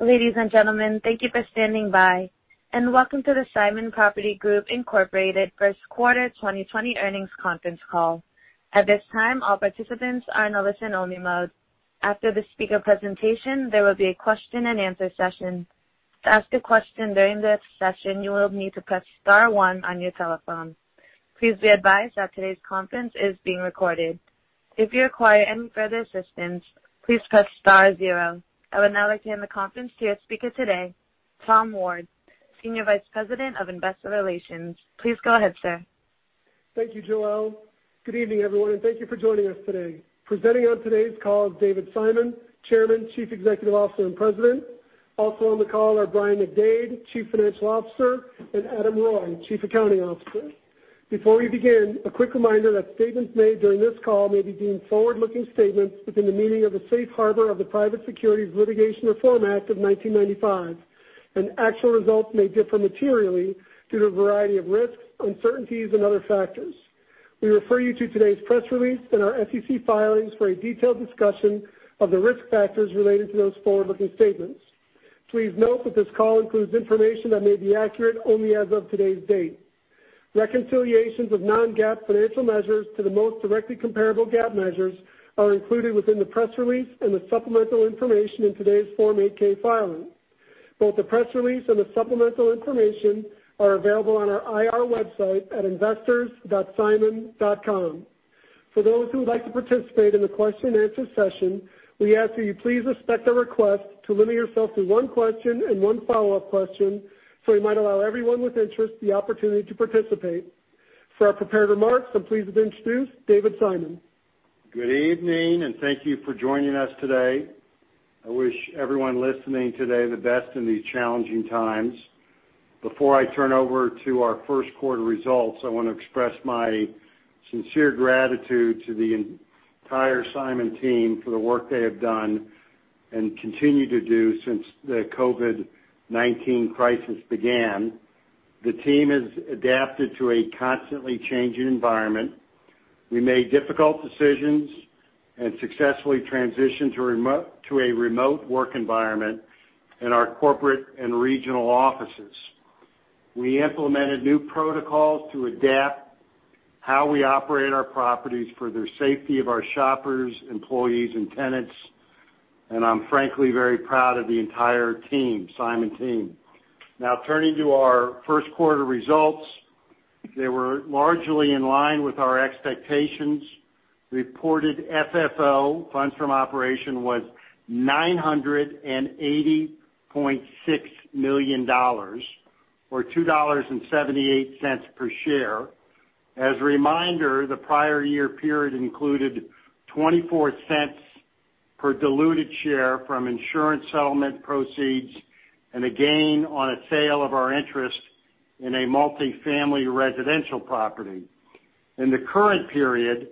Ladies and gentlemen, thank you for standing by, and welcome to the Simon Property Group Incorporated first quarter 2020 earnings conference call. At this time, all participants are in listen only mode. After the speaker presentation, there will be a question and answer session. To ask a question during the session, you will need to press star one on your telephone. Please be advised that today's conference is being recorded. If you require any further assistance, please press star zero. I would now like to hand the conference to your speaker today, Tom Ward, Senior Vice President of Investor Relations. Please go ahead, sir. Thank you, Joelle. Good evening, everyone, and thank you for joining us today. Presenting on today's call is David Simon, Chairman, Chief Executive Officer, and President. Also on the call are Brian McDade, Chief Financial Officer, and Adam Roy, Chief Accounting Officer. Before we begin, a quick reminder that statements made during this call may be deemed forward-looking statements within the meaning of the Safe Harbor of the Private Securities Litigation Reform Act of 1995, and actual results may differ materially due to a variety of risks, uncertainties, and other factors. We refer you to today's press release and our SEC filings for a detailed discussion of the risk factors relating to those forward-looking statements. Please note that this call includes information that may be accurate only as of today's date. Reconciliations of non-GAAP financial measures to the most directly comparable GAAP measures are included within the press release and the supplemental information in today's Form 8-K filing. Both the press release and the supplemental information are available on our IR website at investors.simon.com. For those who would like to participate in the question and answer session, we ask that you please respect our request to limit yourself to one question and one follow-up question so we might allow everyone with interest the opportunity to participate. For our prepared remarks, I'm pleased to introduce David Simon. Good evening, thank you for joining us today. I wish everyone listening today the best in these challenging times. Before I turn over to our first quarter results, I want to express my sincere gratitude to the entire Simon team for the work they have done and continue to do since the COVID-19 crisis began. The team has adapted to a constantly changing environment. We made difficult decisions and successfully transitioned to a remote work environment in our corporate and regional offices. We implemented new protocols to adapt how we operate our properties for the safety of our shoppers, employees, and tenants, and I'm frankly very proud of the entire Simon team. Turning to our first quarter results. They were largely in line with our expectations. Reported FFO, funds from operation, was $980.6 million, or $2.78 per share. As a reminder, the prior year period included $0.24 per diluted share from insurance settlement proceeds and a gain on a sale of our interest in a multifamily residential property. In the current period,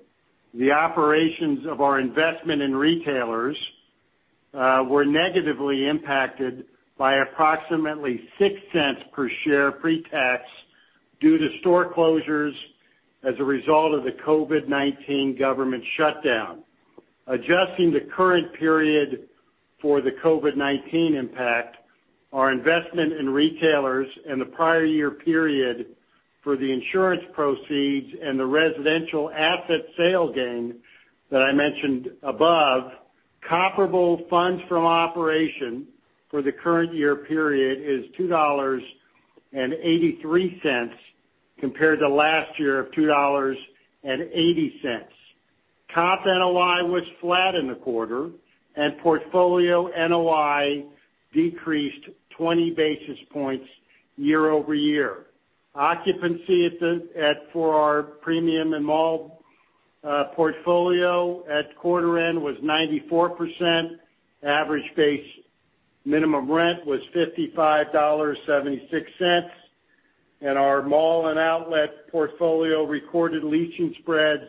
the operations of our investment in retailers were negatively impacted by approximately $0.06 per share pre-tax due to store closures as a result of the COVID-19 government shutdown. Adjusting the current period for the COVID-19 impact, our investment in retailers in the prior year period for the insurance proceeds and the residential asset sale gain that I mentioned above, comparable funds from operation for the current year period is $2.83, compared to last year of $2.80. Comp NOI was flat in the quarter, and portfolio NOI decreased 20 basis points YoY. Occupancy for our premium and mall portfolio at quarter end was 94%. Average base minimum rent was $55.76. Our mall and outlet portfolio recorded leasing spreads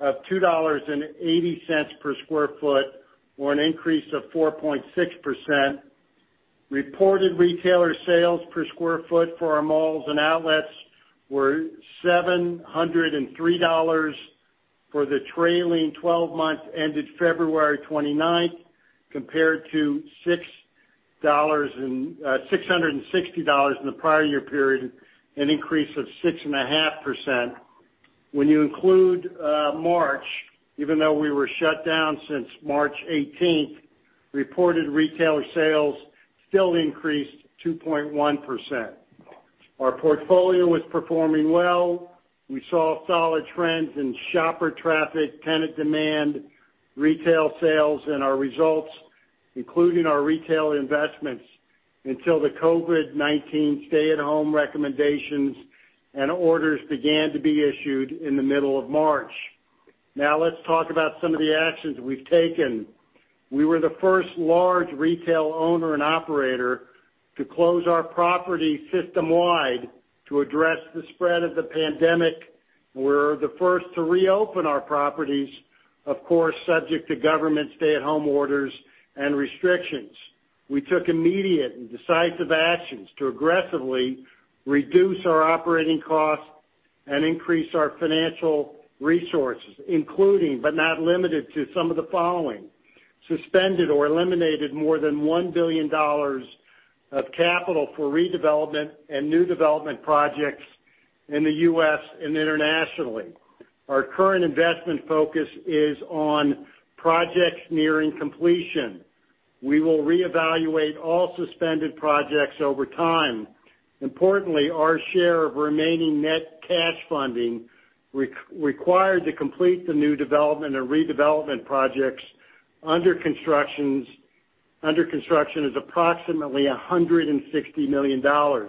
of $2.80 per square foot, or an increase of 4.6%. Reported retailer sales per square foot for our malls and outlets were $703 for the trailing 12 months ended February 29th, compared to $660 in the prior year period, an increase of 6.5%. When you include March, even though we were shut down since March 18th, reported retailer sales still increased 2.1%. Our portfolio was performing well. We saw solid trends in shopper traffic, tenant demand, retail sales, and our results, including our retail investments, until the COVID-19 stay-at-home recommendations and orders began to be issued in the middle of March. Let's talk about some of the actions we've taken. We were the first large retail owner and operator to close our properties system-wide to address the spread of the pandemic. We're the first to reopen our properties, of course, subject to government stay-at-home orders and restrictions. We took immediate and decisive actions to aggressively reduce our operating costs. Increase our financial resources, including, but not limited to some of the following: suspended or eliminated more than $1 billion of capital for redevelopment and new development projects in the U.S. and internationally. Our current investment focus is on projects nearing completion. We will reevaluate all suspended projects over time. Importantly, our share of remaining net cash funding required to complete the new development or redevelopment projects under construction is approximately $160 million.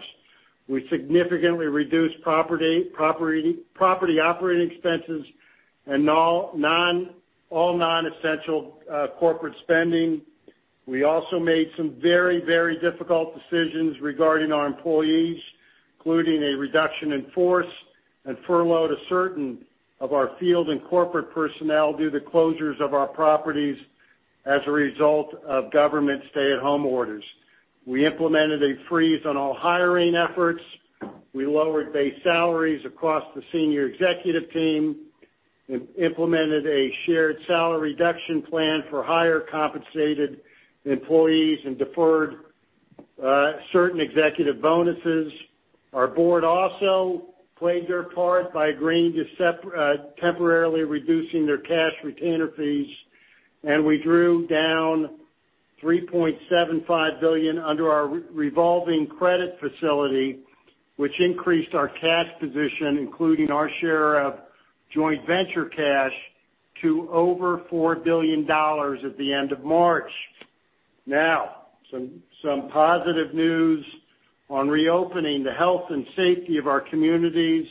We significantly reduced property operating expenses and all non-essential corporate spending. We also made some very difficult decisions regarding our employees, including a reduction in force and furloughed a certain of our field and corporate personnel due to closures of our properties as a result of government stay-at-home orders. We implemented a freeze on all hiring efforts. We lowered base salaries across the senior executive team, implemented a shared salary reduction plan for higher compensated employees, and deferred certain executive bonuses. Our board also played their part by agreeing to temporarily reducing their cash retainer fees. We drew down $3.75 billion under our revolving credit facility, which increased our cash position, including our share of joint venture cash to over $4 billion at the end of March. Some positive news on reopening. The health and safety of our communities,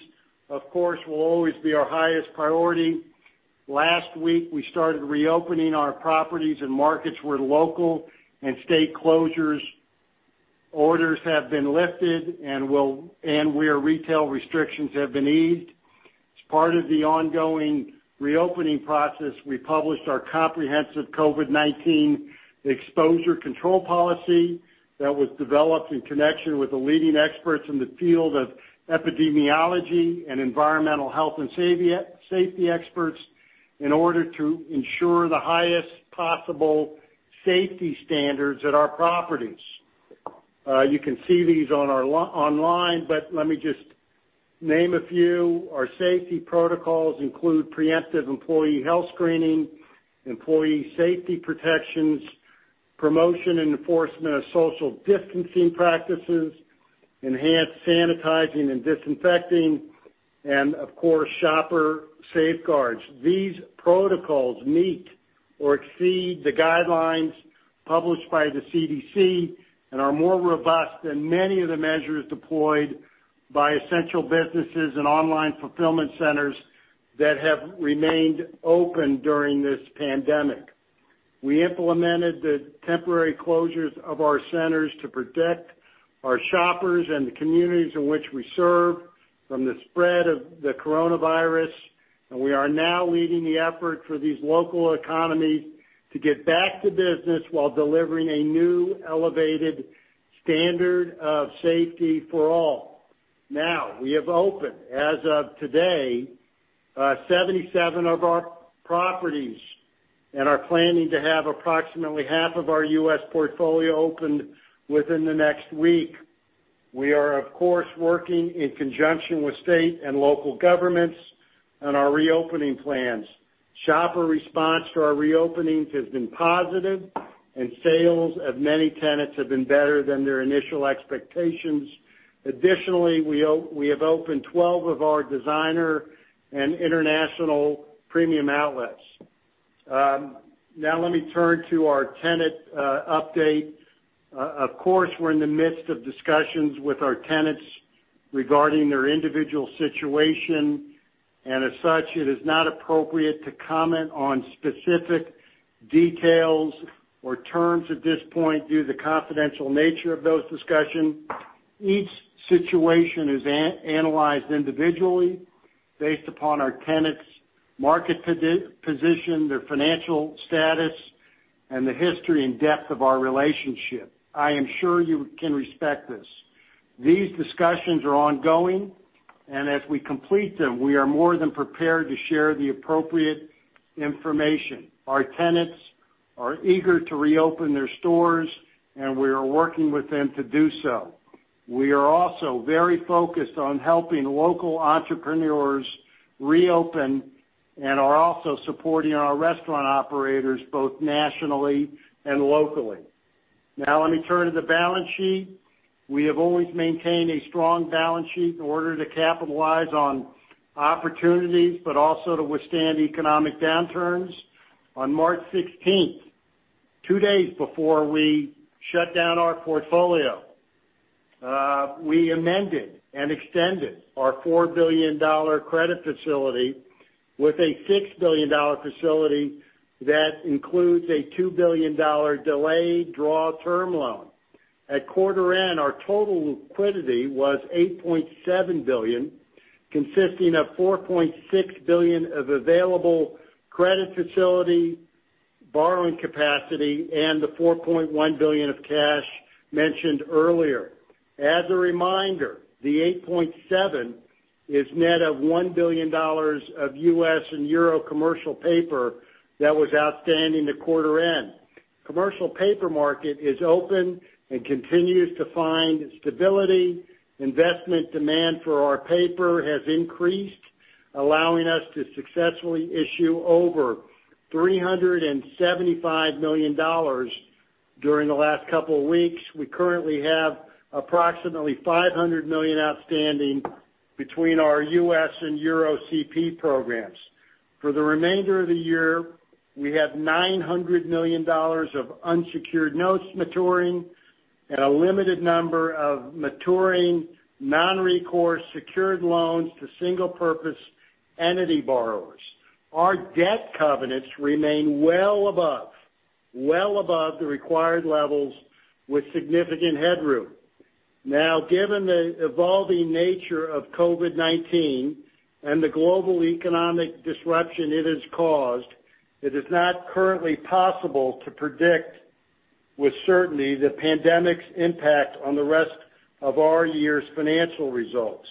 of course, will always be our highest priority. Last week, we started reopening our properties and markets where local and state closures orders have been lifted and where retail restrictions have been eased. As part of the ongoing reopening process, we published our comprehensive COVID-19 exposure control policy that was developed in connection with the leading experts in the field of epidemiology and environmental health and safety experts in order to ensure the highest possible safety standards at our properties. You can see these online, but let me just name a few. Our safety protocols include preemptive employee health screening, employee safety protections, promotion and enforcement of social distancing practices, enhanced sanitizing and disinfecting, and of course, shopper safeguards. These protocols meet or exceed the guidelines published by the CDC and are more robust than many of the measures deployed by essential businesses and online fulfillment centers that have remained open during this pandemic. We implemented the temporary closures of our centers to protect our shoppers and the communities in which we serve from the spread of the coronavirus, We are now leading the effort for these local economies to get back to business while delivering a new elevated standard of safety for all. We have opened, as of today, 77 of our properties and are planning to have approximately half of our U.S. portfolio opened within the next week. We are, of course, working in conjunction with state and local governments on our reopening plans. Shopper response to our reopenings has been positive, Sales of many tenants have been better than their initial expectations. Additionally, we have opened 12 of our designer and international premium outlets. Let me turn to our tenant update. We're in the midst of discussions with our tenants regarding their individual situation, and as such, it is not appropriate to comment on specific details or terms at this point due to the confidential nature of those discussions. Each situation is analyzed individually based upon our tenants' market position, their financial status, and the history and depth of our relationship. I am sure you can respect this. These discussions are ongoing and as we complete them, we are more than prepared to share the appropriate information. Our tenants are eager to reopen their stores, and we are working with them to do so. We are also very focused on helping local entrepreneurs reopen and are also supporting our restaurant operators both nationally and locally. Let me turn to the balance sheet. We have always maintained a strong balance sheet in order to capitalize on opportunities, but also to withstand economic downturns. On March 16th, two days before we shut down our portfolio, we amended and extended our $4 billion credit facility with a $6 billion facility that includes a $2 billion delayed draw term loan. At quarter end, our total liquidity was $8.7 billion, consisting of $4.6 billion of available credit facility borrowing capacity and the $4.1 billion of cash mentioned earlier. As a reminder, the $8.7 is net of $1 billion of U.S. and EUR commercial paper that was outstanding at quarter end. Commercial paper market is open and continues to find stability. Investment demand for our paper has increased, allowing us to successfully issue over $375 million during the last couple of weeks. We currently have approximately $500 million outstanding between our U.S. and EUR CP programs. For the remainder of the year, we have $900 million of unsecured notes maturing and a limited number of maturing non-recourse secured loans to single purpose entity borrowers. Our debt covenants remain well above the required levels with significant headroom. Given the evolving nature of COVID-19 and the global economic disruption it has caused, it is not currently possible to predict with certainty the pandemic's impact on the rest of our year's financial results.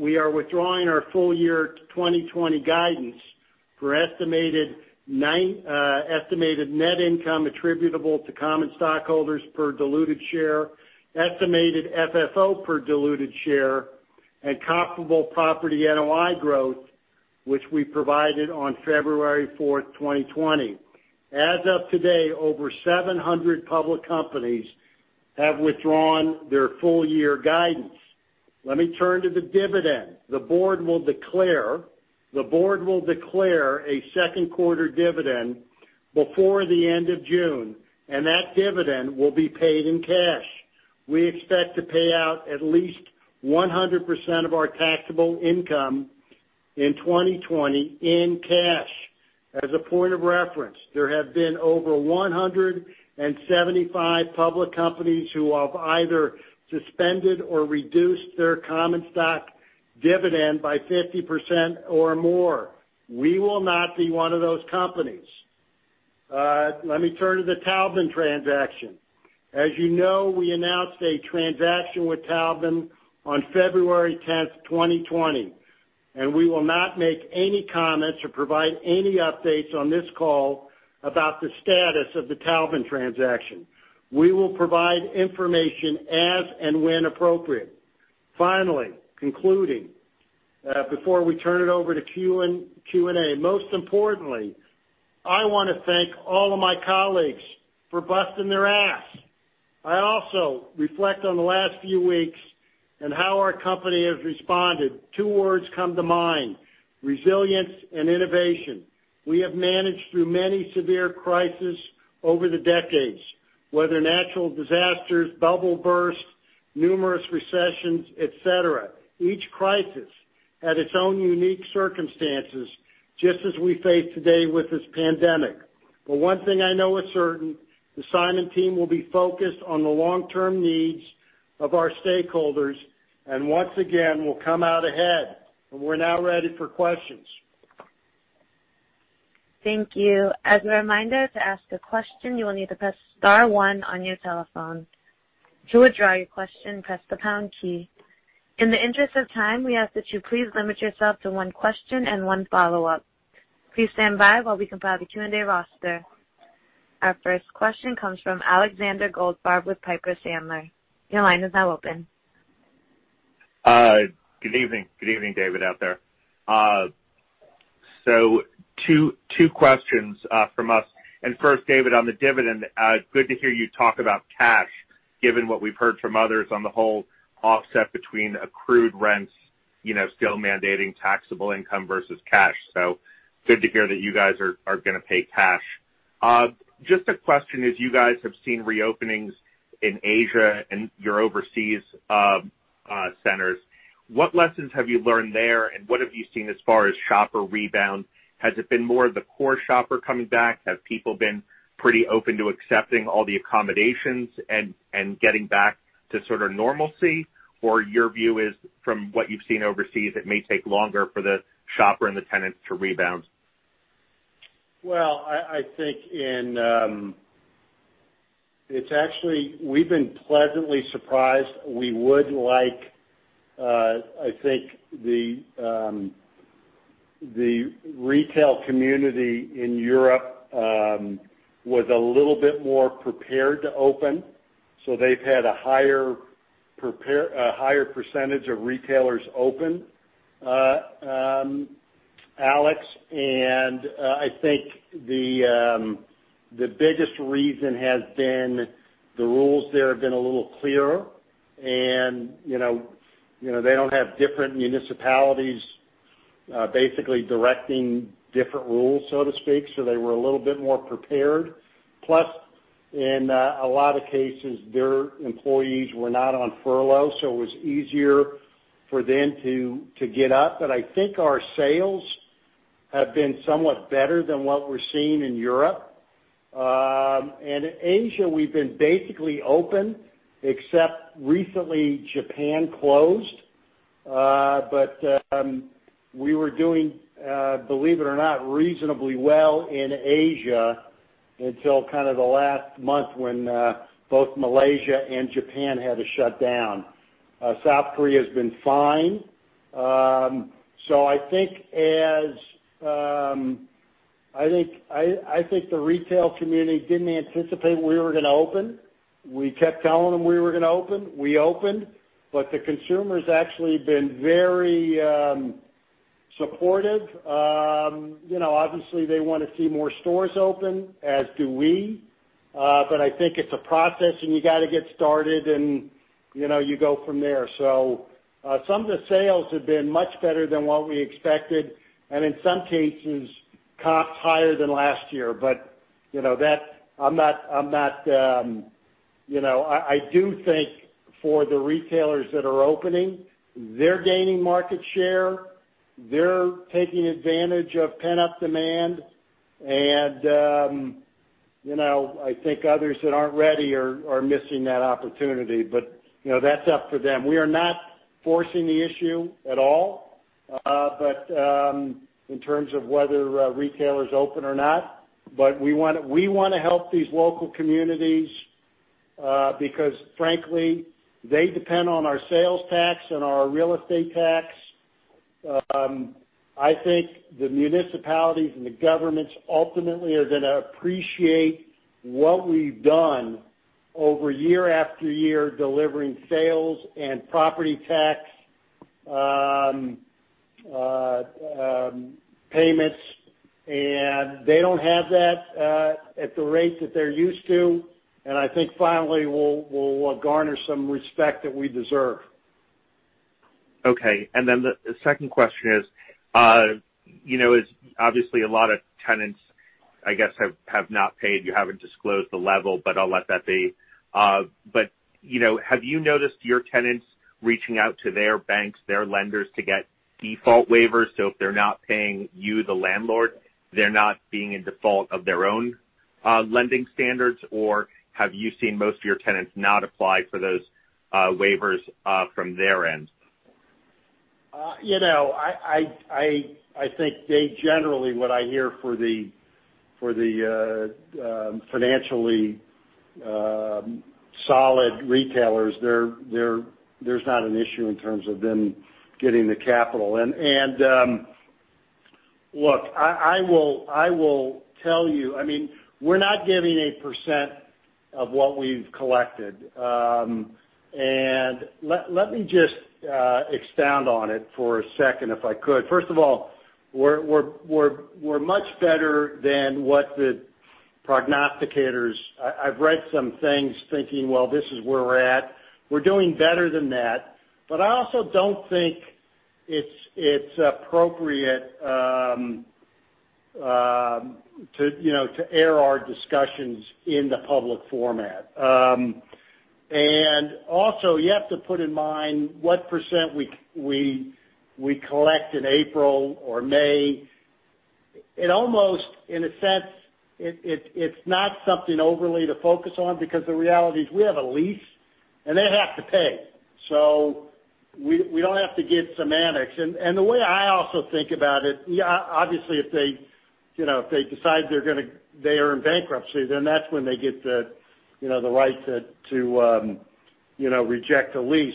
We are withdrawing our full year 2020 guidance for estimated net income attributable to common stockholders per diluted share, estimated FFO per diluted share, and comparable property NOI growth, which we provided on February 4th, 2020. As of today, over 700 public companies have withdrawn their full year guidance. Let me turn to the dividend. The board will declare a second quarter dividend before the end of June, and that dividend will be paid in cash. We expect to pay out at least 100% of our taxable income in 2020 in cash. As a point of reference, there have been over 175 public companies who have either suspended or reduced their common stock dividend by 50% or more. We will not be one of those companies. Let me turn to the Taubman transaction. As you know, we announced a transaction with Taubman on February 10th, 2020, and we will not make any comments or provide any updates on this call about the status of the Taubman transaction. We will provide information as and when appropriate. Finally, concluding, before we turn it over to Q&A, most importantly, I want to thank all of my colleagues for busting their ass. I also reflect on the last few weeks and how our company has responded. Two words come to mind, resilience and innovation. We have managed through many severe crises over the decades, whether natural disasters, bubble bursts, numerous recessions, et cetera. Each crisis had its own unique circumstances, just as we face today with this pandemic. One thing I know is certain, the Simon team will be focused on the long-term needs of our stakeholders, and once again, we'll come out ahead. We're now ready for questions. Thank you. As a reminder, to ask a question, you will need to press star one on your telephone. To withdraw your question, press the pound key. In the interest of time, we ask that you please limit yourself to one question and one follow-up. Please stand by while we compile the Q&A roster. Our first question comes from Alexander Goldfarb with Piper Sandler. Your line is now open. Good evening, David, out there. Two questions from us. First, David, on the dividend, good to hear you talk about cash, given what we've heard from others on the whole offset between accrued rents still mandating taxable income versus cash. Good to hear that you guys are going to pay cash. Just a question, as you guys have seen reopenings in Asia and your overseas centers, what lessons have you learned there and what have you seen as far as shopper rebound? Has it been more of the core shopper coming back? Have people been pretty open to accepting all the accommodations and getting back to sort of normalcy? Your view is from what you've seen overseas, it may take longer for the shopper and the tenants to rebound? Well, I think we've been pleasantly surprised. I think the retail community in Europe was a little bit more prepared to open. They've had a higher percentage of retailers open, Alex. I think the biggest reason has been the rules there have been a little clearer and they don't have different municipalities basically directing different rules, so to speak. They were a little bit more prepared. Plus, in a lot of cases, their employees were not on furlough. It was easier for them to get up. I think our sales have been somewhat better than what we're seeing in Europe and Asia. We've been basically open, except recently Japan closed. We were doing, believe it or not, reasonably well in Asia until kind of the last month when both Malaysia and Japan had to shut down. South Korea's been fine. I think the retail community didn't anticipate we were going to open. We kept telling them we were going to open. The consumer's actually been very supportive. Obviously they want to see more stores open, as do we. I think it's a process, and you got to get started and you go from there. Some of the sales have been much better than what we expected, and in some cases, comps higher than last year. I do think for the retailers that are opening, they're gaining market share. They're taking advantage of pent-up demand. I think others that aren't ready are missing that opportunity. That's up for them. We are not forcing the issue at all, but in terms of whether retailers open or not. We want to help these local communities because frankly, they depend on our sales tax and our real estate tax. I think the municipalities and the governments ultimately are going to appreciate what we've done over year after year, delivering sales and property tax payments, and they don't have that at the rate that they're used to. I think finally, we'll garner some respect that we deserve. The second question is, obviously a lot of tenants, I guess, have not paid. You haven't disclosed the level, but I'll let that be. Have you noticed your tenants reaching out to their banks, their lenders, to get default waivers, so if they're not paying you the landlord, they're not being in default of their own lending standards? Have you seen most of your tenants not apply for those waivers from their end? I think they generally, what I hear for the financially solid retailers, there's not an issue in terms of them getting the capital. Look, I will tell you, we're not giving a percent of what we've collected. Let me just expound on it for a second, if I could. First of all, we're much better than what the prognosticators I've read some things, thinking, well, this is where we're at. We're doing better than that. I also don't think it's appropriate to air our discussions in the public format. Also, you have to put in mind what percent we collect in April or May. It almost, in a sense, it's not something overly to focus on because the reality is we have a lease and they have to pay. We don't have to get semantics. The way I also think about it, obviously if they decide they are in bankruptcy, then that's when they get the right to reject a lease.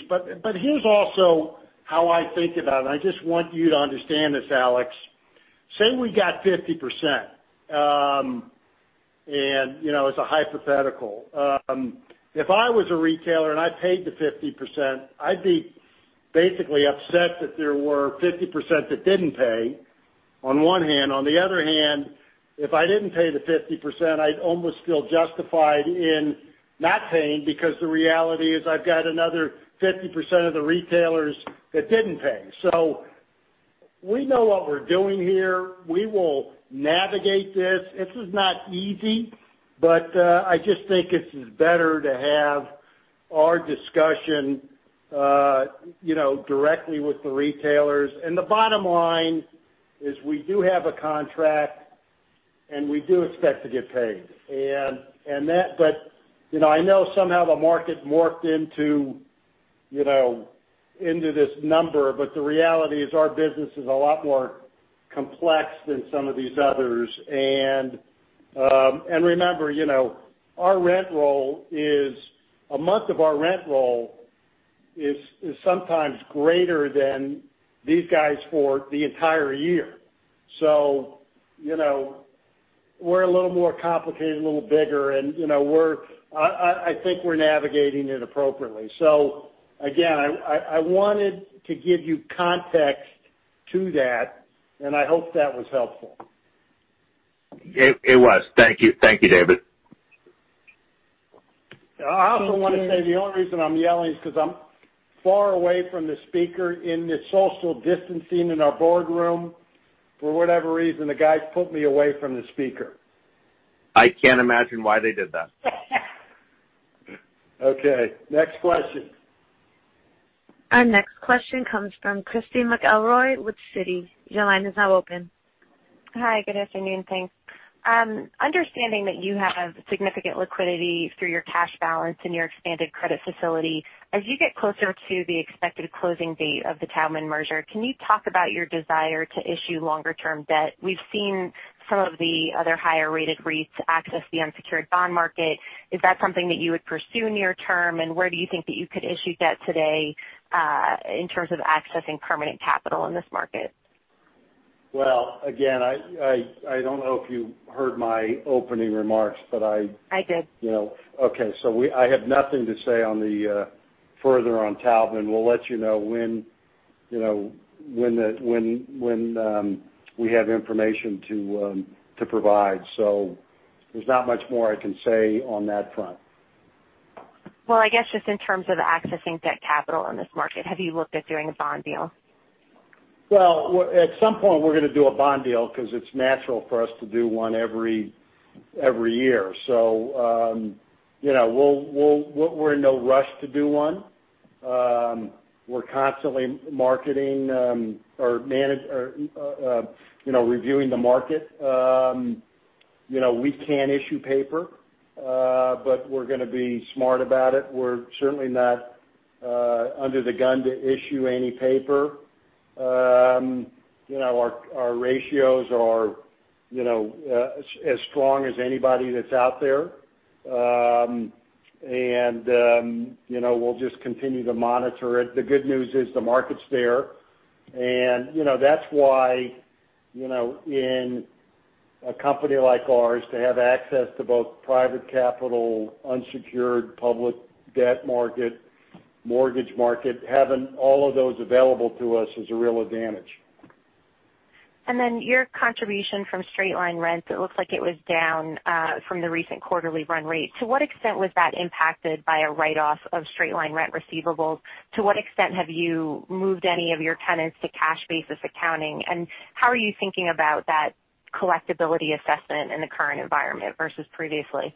Here's also how I think about it. I just want you to understand this, Alex. Say we got 50%. As a hypothetical, if I was a retailer and I paid the 50%, I'd be basically upset that there were 50% that didn't pay, on one hand. On the other hand, if I didn't pay the 50%, I'd almost feel justified in not paying because the reality is I've got another 50% of the retailers that didn't pay. We know what we're doing here. We will navigate this. This is not easy, but I just think it's better to have our discussion directly with the retailers. The bottom line is we do have a contract and we do expect to get paid. I know somehow the market morphed into this number. The reality is our business is a lot more complex than some of these others. Remember, a month of our rent roll is sometimes greater than these guys for the entire year. We're a little more complicated, a little bigger, and I think we're navigating it appropriately. Again, I wanted to give you context to that, and I hope that was helpful. It was. Thank you, David. I also want to say, the only reason I'm yelling is because I'm far away from the speaker in the social distancing in our boardroom. For whatever reason, the guys put me away from the speaker. I can't imagine why they did that. Okay, next question. Our next question comes from Christy McElroy with Citi. Your line is now open. Hi. Good afternoon. Thanks. Understanding that you have significant liquidity through your cash balance and your expanded credit facility, as you get closer to the expected closing date of the Taubman merger, can you talk about your desire to issue longer-term debt? We've seen some of the other higher-rated REITs access the unsecured bond market. Is that something that you would pursue near term, and where do you think that you could issue debt today, in terms of accessing permanent capital in this market? Well, again, I don't know if you heard my opening remarks. I did. Okay. I have nothing to say further on Taubman. We'll let you know when we have information to provide. There's not much more I can say on that front. Well, I guess just in terms of accessing debt capital in this market, have you looked at doing a bond deal? Well, at some point, we're going to do a bond deal because it's natural for us to do one every year. We're in no rush to do one. We're constantly marketing, or reviewing the market. We can issue paper, but we're going to be smart about it. We're certainly not under the gun to issue any paper. Our ratios are as strong as anybody that's out there. We'll just continue to monitor it. The good news is the market's there, and that's why in a company like ours, to have access to both private capital, unsecured public debt market, mortgage market, having all of those available to us is a real advantage. Your contribution from straight-line rents, it looks like it was down from the recent quarterly run rate. To what extent was that impacted by a write-off of straight-line rent receivables? To what extent have you moved any of your tenants to cash basis accounting, and how are you thinking about that collectibility assessment in the current environment versus previously?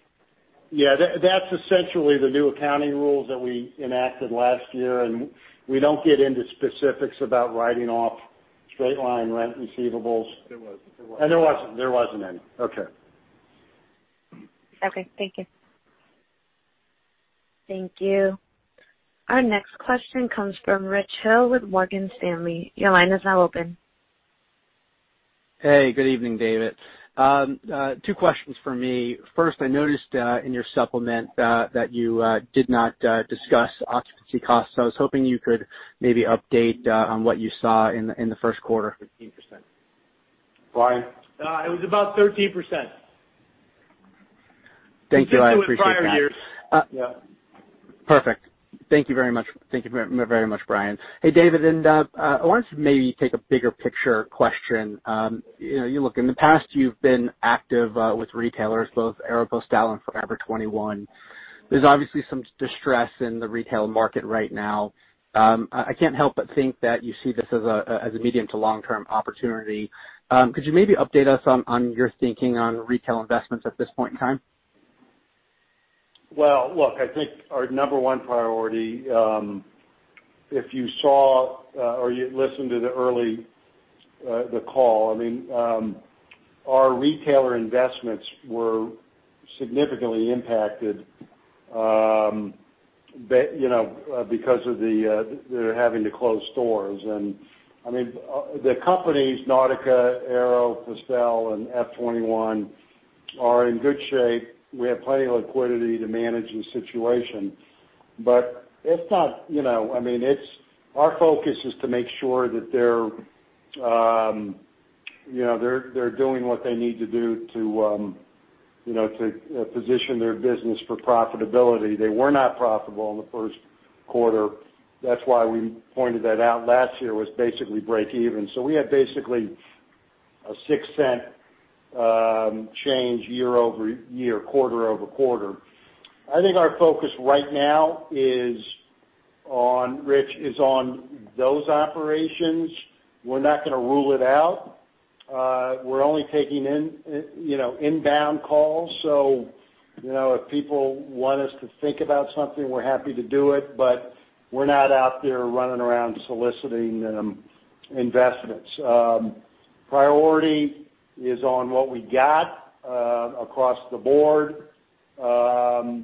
Yeah, that's essentially the new accounting rules that we enacted last year, and we don't get into specifics about writing off straight-line rent receivables. There wasn't any. There wasn't any. Okay. Okay. Thank you. Thank you. Our next question comes from Rich Hill with Morgan Stanley. Your line is now open. Hey, good evening, David. Two questions from me. First, I noticed in your supplement that you did not discuss occupancy costs. I was hoping you could maybe update on what you saw in the first quarter. Brian? It was about 13%. Thank you. I appreciate that. It's similar to prior years. Yeah. Perfect. Thank you very much, Brian. Hey, David, I wanted to maybe take a bigger picture question. Look, in the past you've been active with retailers, both Aéropostale and Forever 21. There's obviously some distress in the retail market right now. I can't help but think that you see this as a medium to long-term opportunity. Could you maybe update us on your thinking on retail investments at this point in time? Well, look, I think our number one priority, if you saw, or you listened to the call, our retailer investments were significantly impacted because of their having to close stores. The companies, Nautica, Aéropostale, and F21 are in good shape. We have plenty of liquidity to manage the situation. Our focus is to make sure that they're doing what they need to do to position their business for profitability. They were not profitable in the first quarter. That's why we pointed that out last year, was basically break even. We had basically a $0.06 change YoY, QoQ. I think our focus right now, Rich, is on those operations. We're not going to rule it out. We're only taking inbound calls. If people want us to think about something, we're happy to do it, but we're not out there running around soliciting investments. Priority is on what we got across the board. I'm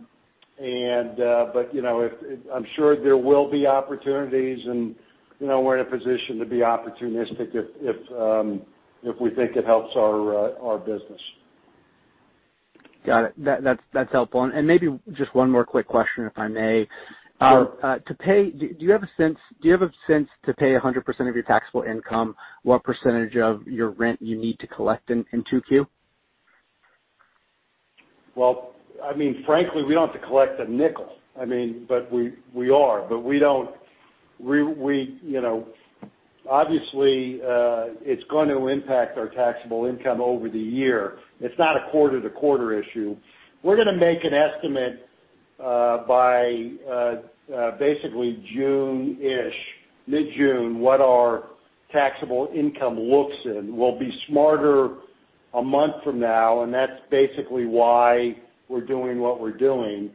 sure there will be opportunities, and we're in a position to be opportunistic if we think it helps our business. Got it. That's helpful. Maybe just one more quick question, if I may. Sure. Do you have a sense to pay 100% of your taxable income, what percentage of your rent you need to collect in Q2? Well, frankly, we don't have to collect a nickel. We are. Obviously, it's going to impact our taxable income over the year. It's not a quarter-to-quarter issue. We're going to make an estimate by basically June-ish, mid-June, what our taxable income looks. We'll be smarter a month from now. That's basically why we're doing what we're doing.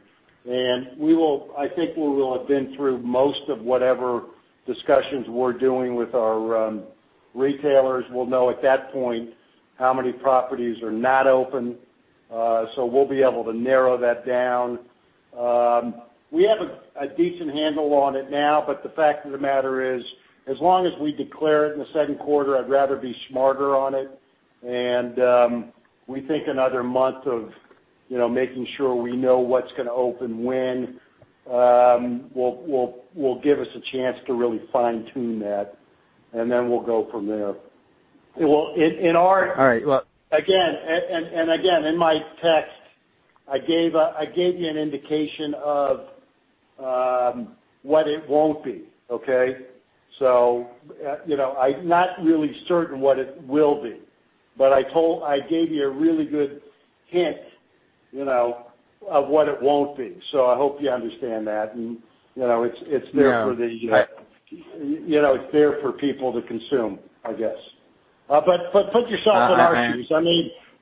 I think we will have been through most of whatever discussions we're doing with our retailers. We'll know at that point how many properties are not open. We'll be able to narrow that down. We have a decent handle on it now. The fact of the matter is, as long as we declare it in the second quarter, I'd rather be smarter on it. We think another month of making sure we know what's going to open when will give us a chance to really fine-tune that, and then we'll go from there. All right. Again, in my text, I gave you an indication of what it won't be. Okay? I'm not really certain what it will be, but I gave you a really good hint of what it won't be. I hope you understand that. It's there for the. Yeah. It's there for people to consume, I guess. Put yourself in our shoes.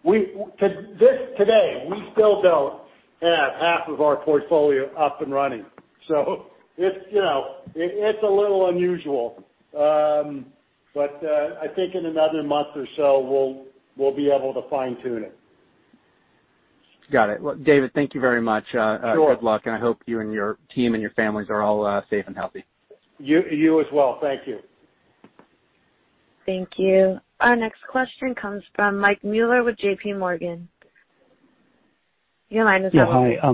Today, we still don't have half of our portfolio up and running. It's a little unusual. I think in another month or so, we'll be able to fine-tune it. Got it. Well, David, thank you very much. Sure. Good luck, and I hope you and your team and your families are all safe and healthy. You as well. Thank you. Thank you. Our next question comes from Mike Mueller with JPMorgan. Your line is open. Yeah. Hi.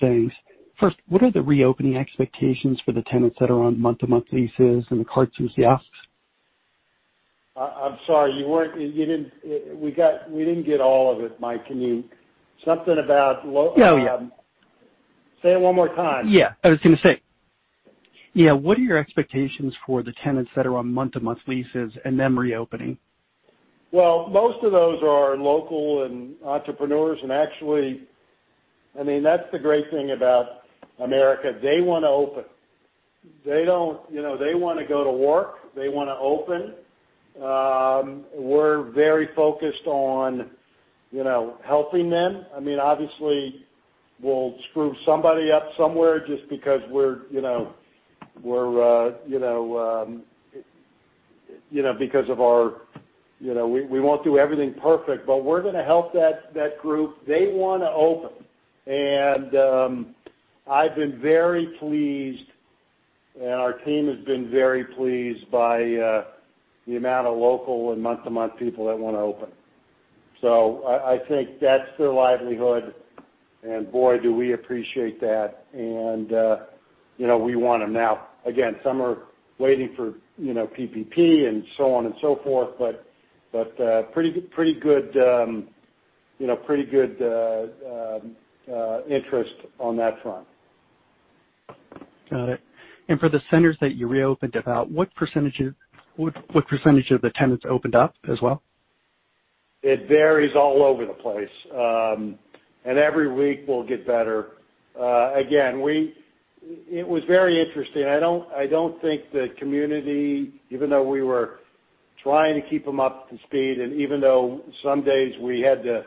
Thanks. First, what are the reopening expectations for the tenants that are on month-to-month leases and the carts and kiosks? I'm sorry, we didn't get all of it, Mike. Oh, yeah. Say it one more time. I was going to say, what are your expectations for the tenants that are on month-to-month leases and them reopening? Well, most of those are local and entrepreneurs. Actually, that's the great thing about America. They want to open. They want to go to work. They want to open. We're very focused on helping them. Obviously, we'll screw somebody up somewhere. We won't do everything perfect, but we're going to help that group. They want to open. I've been very pleased, and our team has been very pleased by the amount of local and month-to-month people that want to open. I think that's their livelihood, and boy, do we appreciate that. We want them now. Again, some are waiting for PPP and so on and so forth, but pretty good interest on that front. Got it. For the centers that you reopened about, what percentage of the tenants opened up as well? It varies all over the place. Every week will get better. Again, it was very interesting. I don't think the community, even though we were trying to keep them up to speed, and even though some days we had to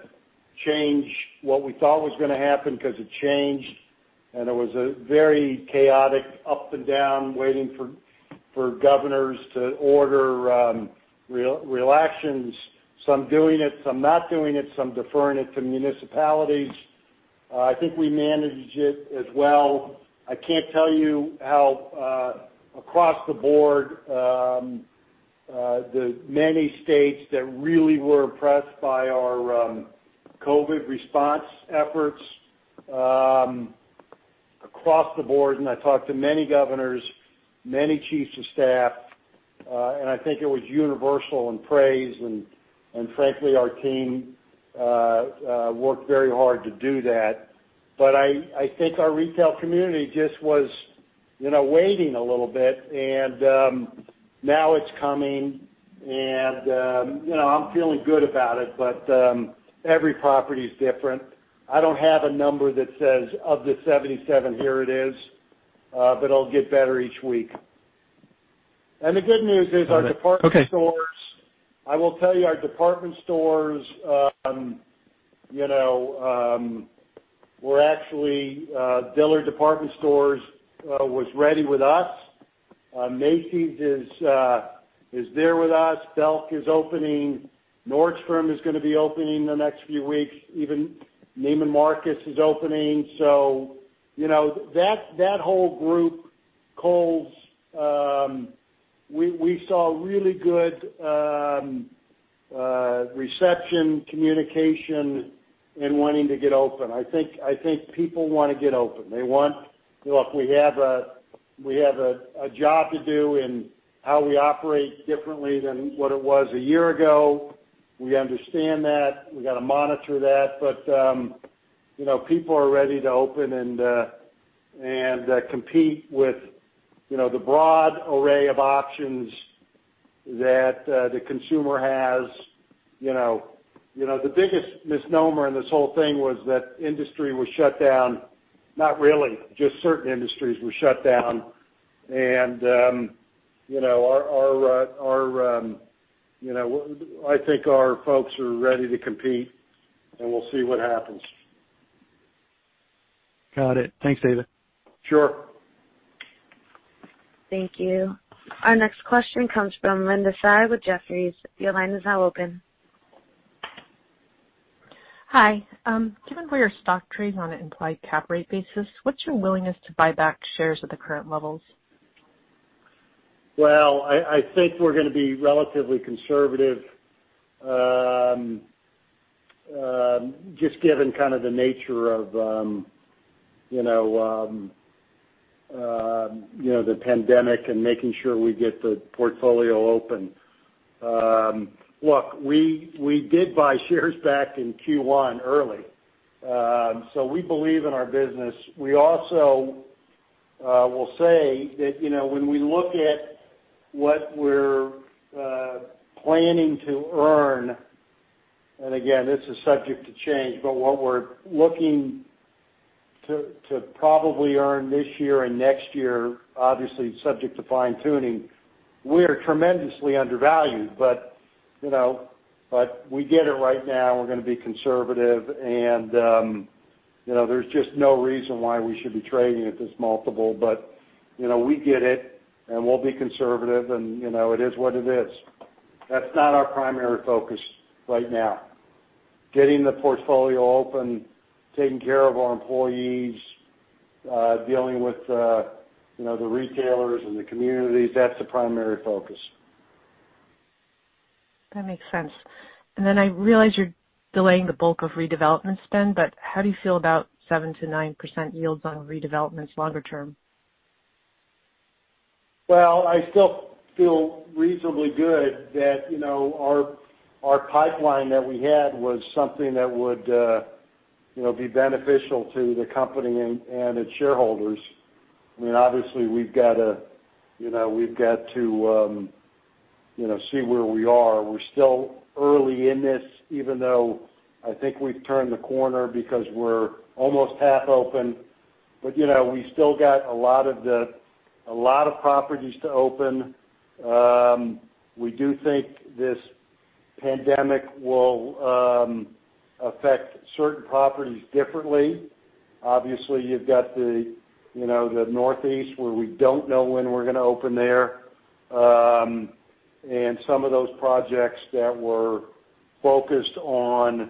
change what we thought was going to happen because it changed, and it was a very chaotic up and down, waiting for governors to order relaxations. Some doing it, some not doing it, some deferring it to municipalities. I think we managed it as well. I can't tell you how, across the board, the many states that really were impressed by our COVID response efforts across the board. I talked to many governors, many chiefs of staff. I think it was universal in praise. Frankly, our team worked very hard to do that. I think our retail community just was waiting a little bit, and now it's coming, and I'm feeling good about it. Every property is different. I don't have a number that says of the 77, here it is, but it'll get better each week. The good news is our department stores. Okay I will tell you, our department stores, Dillard's department stores was ready with us. Macy's is there with us. Belk is opening. Nordstrom is going to be opening in the next few weeks. Even Neiman Marcus is opening. That whole group, Kohl's, we saw really good reception, communication, and wanting to get open. I think people want to get open. Look, we have a job to do in how we operate differently than what it was a year ago. We understand that. We've got to monitor that. People are ready to open and compete with the broad array of options that the consumer has. The biggest misnomer in this whole thing was that industry was shut down. Not really, just certain industries were shut down. I think our folks are ready to compete, and we'll see what happens. Got it. Thanks, David. Sure. Thank you. Our next question comes from Linda Tsai with Jefferies. Your line is now open. Hi. Given where your stock trades on an implied cap rate basis, what's your willingness to buy back shares at the current levels? Well, I think we're going to be relatively conservative, just given kind of the nature of the pandemic and making sure we get the portfolio open. Look, we did buy shares back in Q1 early. We believe in our business. We also will say that when we look at what we're planning to earn, and again, this is subject to change, but what we're looking to probably earn this year and next year, obviously subject to fine-tuning, we're tremendously undervalued. We get it right now. We're going to be conservative and there's just no reason why we should be trading at this multiple, but we get it, and we'll be conservative, and it is what it is. That's not our primary focus right now. Getting the portfolio open, taking care of our employees, dealing with the retailers and the communities, that's the primary focus. That makes sense. I realize you're delaying the bulk of redevelopment spend, how do you feel about 7%-9% yields on redevelopments longer term? Well, I still feel reasonably good that our pipeline that we had was something that would be beneficial to the company and its shareholders. Obviously, we've got to see where we are. We're still early in this, even though I think we've turned the corner because we're almost half open. We still got a lot of properties to open. We do think this pandemic will affect certain properties differently. Obviously, you've got the Northeast, where we don't know when we're going to open there. Some of those projects that we're focused on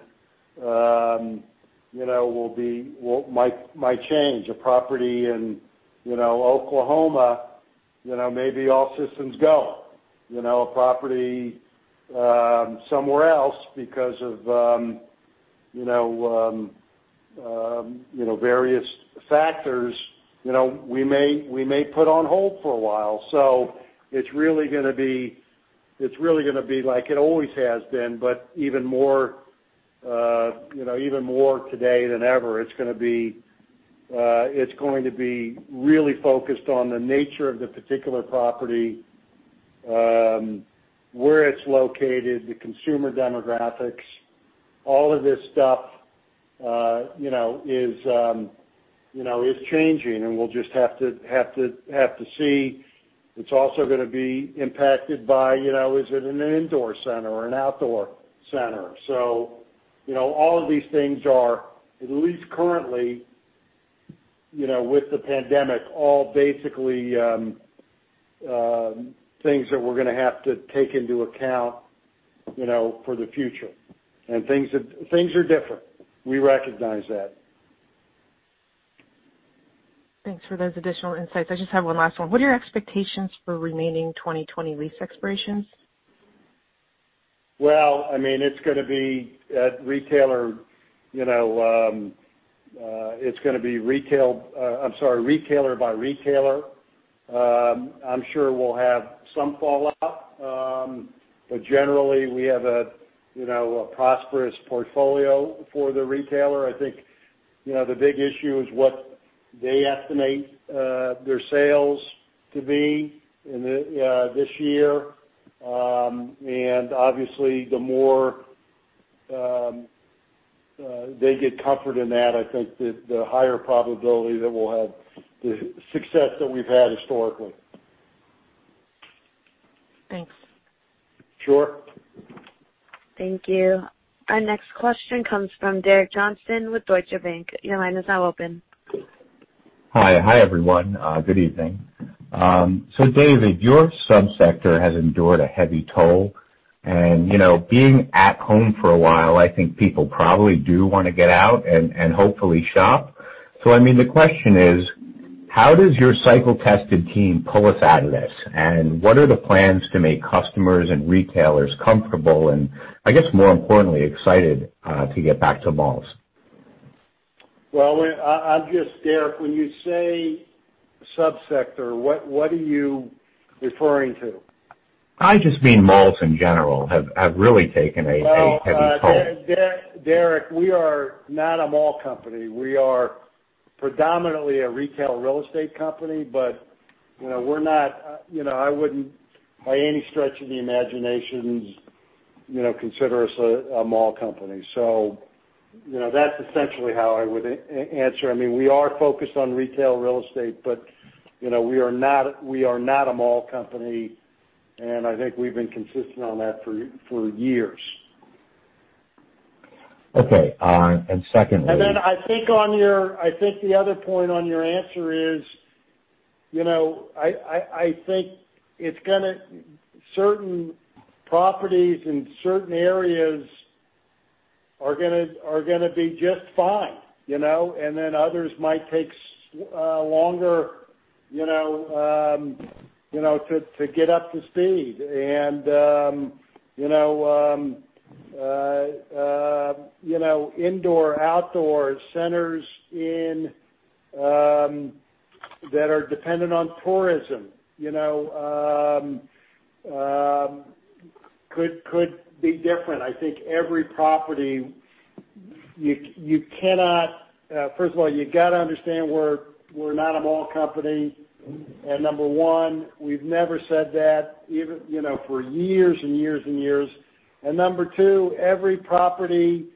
might change. A property in Oklahoma, may be all systems go. A property somewhere else, because of various factors, we may put on hold for a while. It's really going to be like it always has been, but even more today than ever. It's going to be really focused on the nature of the particular property, where it's located, the consumer demographics. All of this stuff is changing, and we'll just have to see. It's also going to be impacted by, is it an indoor center or an outdoor center? All of these things are, at least currently with the pandemic, all basically things that we're going to have to take into account for the future. Things are different. We recognize that. Thanks for those additional insights. I just have one last one. What are your expectations for remaining 2020 lease expirations? Well, it's going to be retailer by retailer. I'm sure we'll have some fallout. Generally, we have a prosperous portfolio for the retailer. I think, the big issue is what they estimate their sales to be this year. Obviously, the more they get comfort in that, I think the higher probability that we'll have the success that we've had historically. Thanks. Sure. Thank you. Our next question comes from Derek Johnston with Deutsche Bank. Your line is now open. Hi, everyone. Good evening. David, your subsector has endured a heavy toll and, being at home for a while, I think people probably do want to get out and hopefully shop. The question is, how does your cycle-tested team pull us out of this? What are the plans to make customers and retailers comfortable and, I guess more importantly, excited to get back to malls? Well, Derek, when you say subsector, what are you referring to? I just mean malls in general have really taken a heavy toll. Derek, we are not a mall company. We are predominantly a retail real estate company. I wouldn't, by any stretch of the imagination, consider us a mall company. That's essentially how I would answer. We are focused on retail real estate, but we are not a mall company, and I think we've been consistent on that for years. Okay. Secondly. I think the other point on your answer is, I think certain properties in certain areas are going to be just fine, others might take longer to get up to speed. Indoor, outdoor centers that are dependent on tourism could be different. I think every property, First of all, you got to understand we're not a mall company. Number one, we've never said that for years and years and years. Number two, every property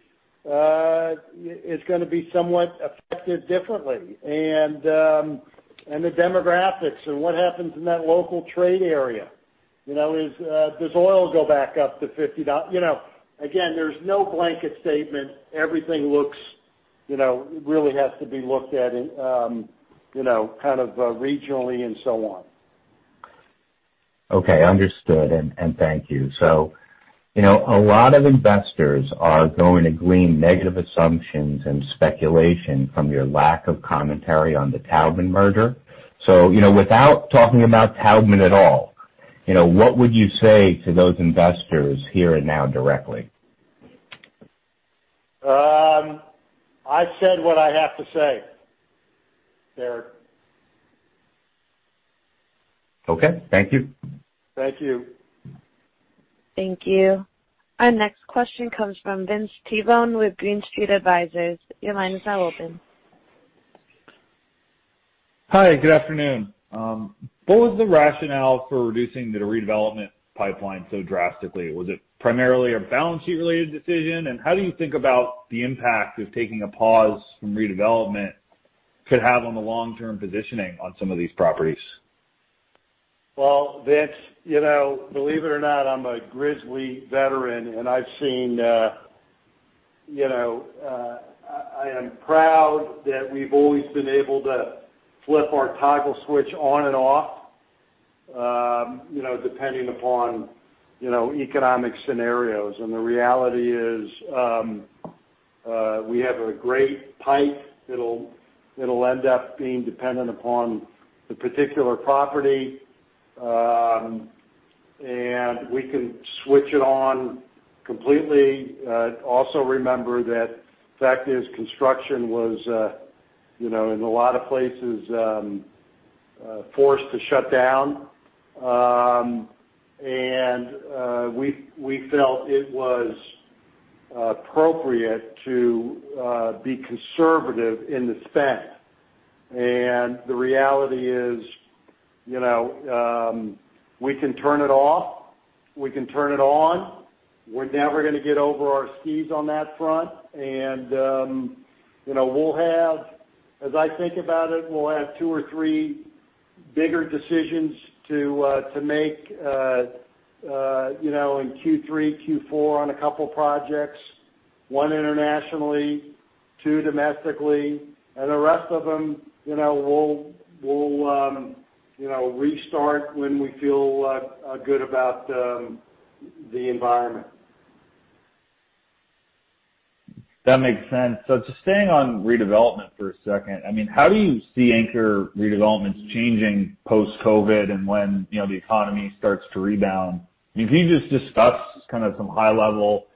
is going to be somewhat affected differently. The demographics and what happens in that local trade area. Does oil go back up to $50? Again, there's no blanket statement. Everything really has to be looked at, kind of regionally and so on. Okay, understood. Thank you. A lot of investors are going to glean negative assumptions and speculation from your lack of commentary on the Taubman merger. Without talking about Taubman at all, what would you say to those investors here and now directly? I've said what I have to say, Derek. Okay, thank you. Thank you. Thank you. Our next question comes from Vince Tibone with Green Street Advisors. Your line is now open. Hi, good afternoon. What was the rationale for reducing the redevelopment pipeline so drastically? Was it primarily a balance sheet related decision? How do you think about the impact of taking a pause from redevelopment could have on the long-term positioning on some of these properties? Well, Vince, believe it or not, I'm a grizzly veteran, and I've seen I am proud that we've always been able to flip our toggle switch on and off, depending upon economic scenarios. The reality is, we have a great pipe. It'll end up being dependent upon the particular property. We can switch it on completely. Also remember that the fact is construction was, in a lot of places, forced to shut down. We felt it was appropriate to be conservative in the spend. The reality is, we can turn it off, we can turn it on. We're never going to get over our skis on that front. As I think about it, we'll have two or three bigger decisions to make in Q3, Q4 on a couple of projects, one internationally, two domestically, and the rest of them will restart when we feel good about the environment. That makes sense. Just staying on redevelopment for a second. How do you see anchor redevelopments changing post-COVID and when the economy starts to rebound? Can you just discuss kind of some high level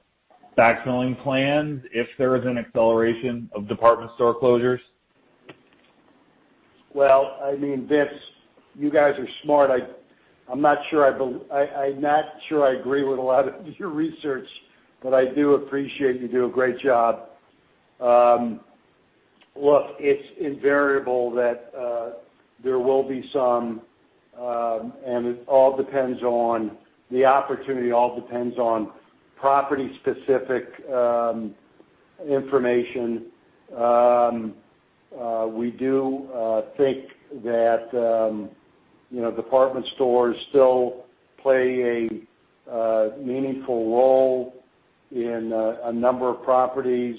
backfilling plans if there is an acceleration of department store closures? Well, Vince, you guys are smart. I'm not sure I agree with a lot of your research, but I do appreciate you do a great job. Look, it's invariable that there will be some, and the opportunity all depends on property specific information. We do think that department stores still play a meaningful role in a number of properties.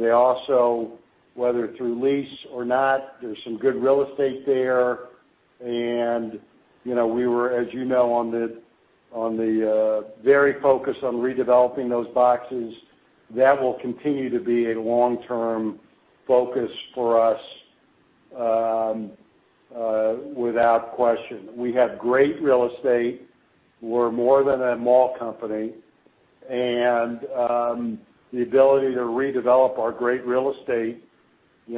They also, whether through lease or not, there's some good real estate there. We were, as you know, on the very focus on redeveloping those boxes. That will continue to be a long-term focus for us without question. We have great real estate. We're more than a mall company. The ability to redevelop our great real estate, is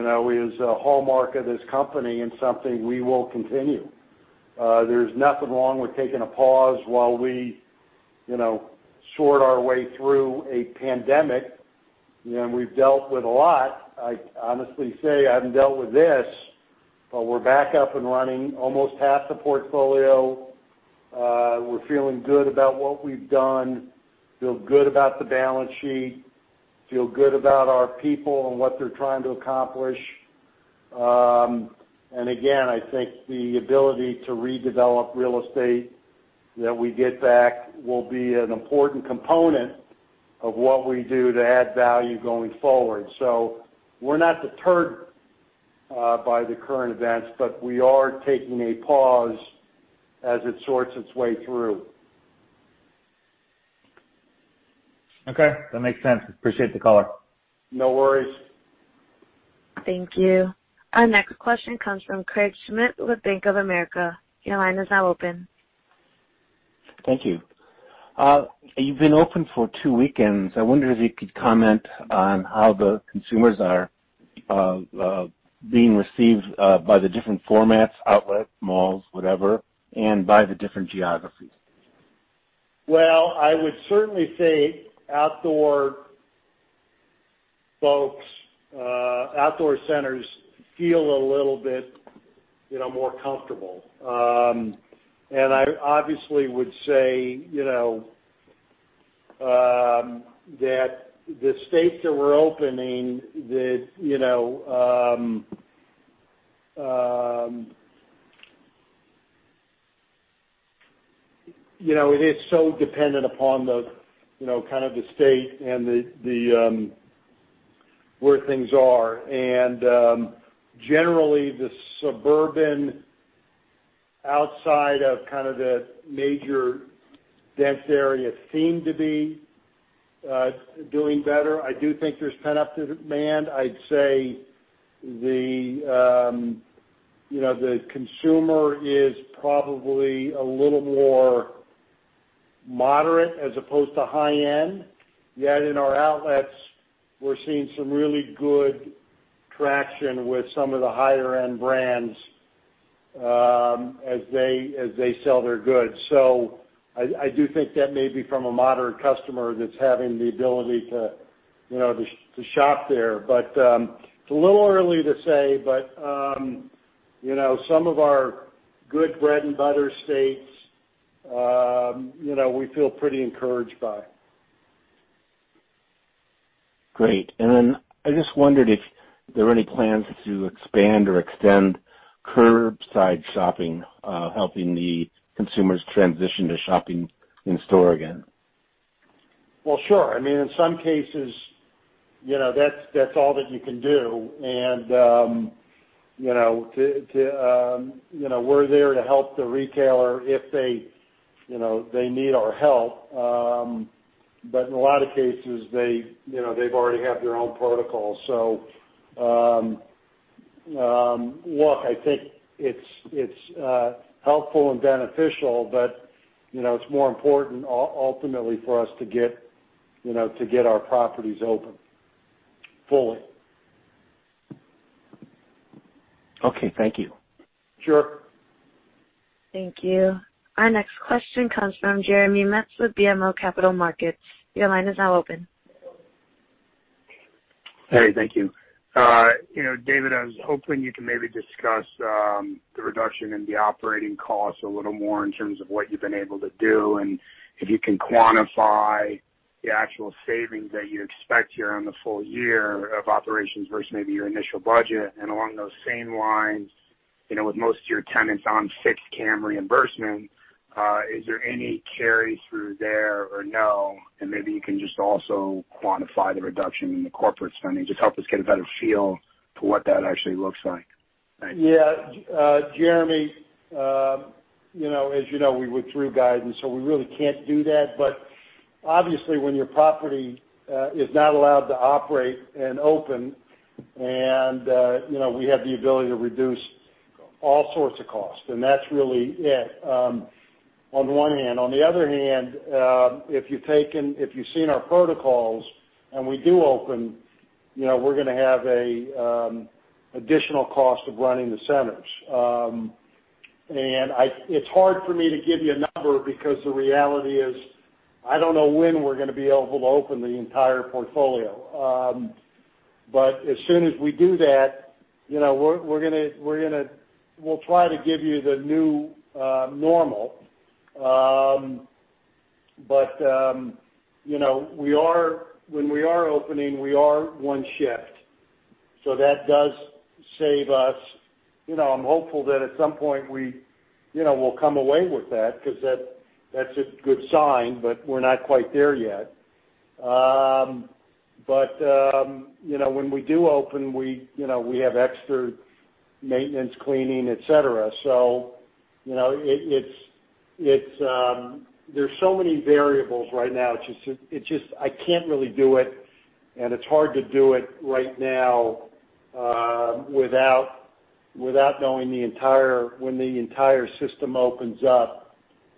a hallmark of this company and something we will continue. There's nothing wrong with taking a pause while we sort our way through a pandemic. We've dealt with a lot. I honestly say I haven't dealt with this, we're back up and running almost half the portfolio. We're feeling good about what we've done, feel good about the balance sheet, feel good about our people and what they're trying to accomplish. Again, I think the ability to redevelop real estate that we get back will be an important component of what we do to add value going forward. We're not deterred by the current events, but we are taking a pause as it sorts its way through. Okay, that makes sense. Appreciate the call. No worries. Thank you. Our next question comes from Craig Schmidt with Bank of America. Your line is now open. Thank you. You've been open for two weekends. I wonder if you could comment on how the consumers are being received by the different formats, outlet malls, whatever, and by the different geographies. Well, I would certainly say outdoor folks, outdoor centers feel a little bit more comfortable. I obviously would say that the states that we're opening, it is so dependent upon the kind of the state and where things are. Generally, the suburban outside of kind of the major dense areas seem to be doing better. I do think there's pent-up demand. I'd say the consumer is probably a little more moderate as opposed to high-end. Yet in our outlets, we're seeing some really good traction with some of the higher-end brands as they sell their goods. I do think that may be from a moderate customer that's having the ability to shop there. It's a little early to say, but some of our good bread-and-butter states, we feel pretty encouraged by. Great. I just wondered if there were any plans to expand or extend curbside shopping, helping the consumers transition to shopping in store again. Well, sure. I mean, in some cases, that's all that you can do. We're there to help the retailer if they need our help. In a lot of cases, they've already have their own protocols. Look, I think it's helpful and beneficial, but it's more important ultimately for us to get our properties open fully. Okay. Thank you. Sure. Thank you. Our next question comes from Jeremy Metz with BMO Capital Markets. Your line is now open. Hey, thank you. David, I was hoping you can maybe discuss the reduction in the operating costs a little more in terms of what you've been able to do, and if you can quantify the actual savings that you expect here on the full year of operations versus maybe your initial budget. Along those same lines, with most of your tenants on fixed CAM reimbursement, is there any carry through there or no? Maybe you can just also quantify the reduction in the corporate spending. Just help us get a better feel to what that actually looks like. Thanks. Yeah. Jeremy, as you know, we withdrew guidance, we really can't do that. Obviously, when your property is not allowed to operate and open and we have the ability to reduce all sorts of costs, and that's really it on one hand. On the other hand, if you've seen our protocols and we do open, we're going to have additional cost of running the centers. It's hard for me to give you a number because the reality is, I don't know when we're going to be able to open the entire portfolio. As soon as we do that, we'll try to give you the new normal. When we are opening, we are one shift. That does save us. I'm hopeful that at some point we'll come away with that because that's a good sign, but we're not quite there yet. When we do open, we have extra maintenance, cleaning, et cetera. There's so many variables right now. I can't really do it, and it's hard to do it right now without knowing when the entire system opens up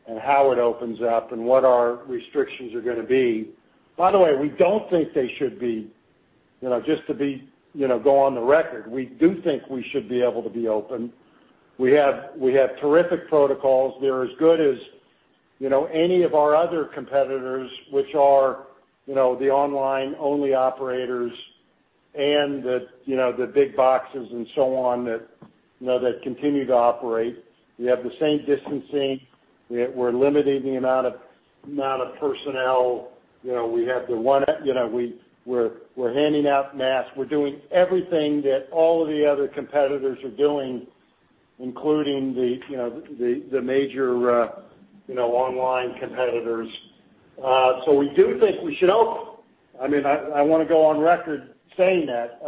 and how it opens up and what our restrictions are going to be. By the way, we don't think they should be. Just to go on the record, we do think we should be able to be open. We have terrific protocols. They're as good as any of our other competitors, which are the online-only operators and the big boxes and so on that continue to operate. We have the same distancing. We're limiting the amount of personnel. We're handing out masks. We're doing everything that all of the other competitors are doing, including the major online competitors. We do think we should open. I want to go on record saying that.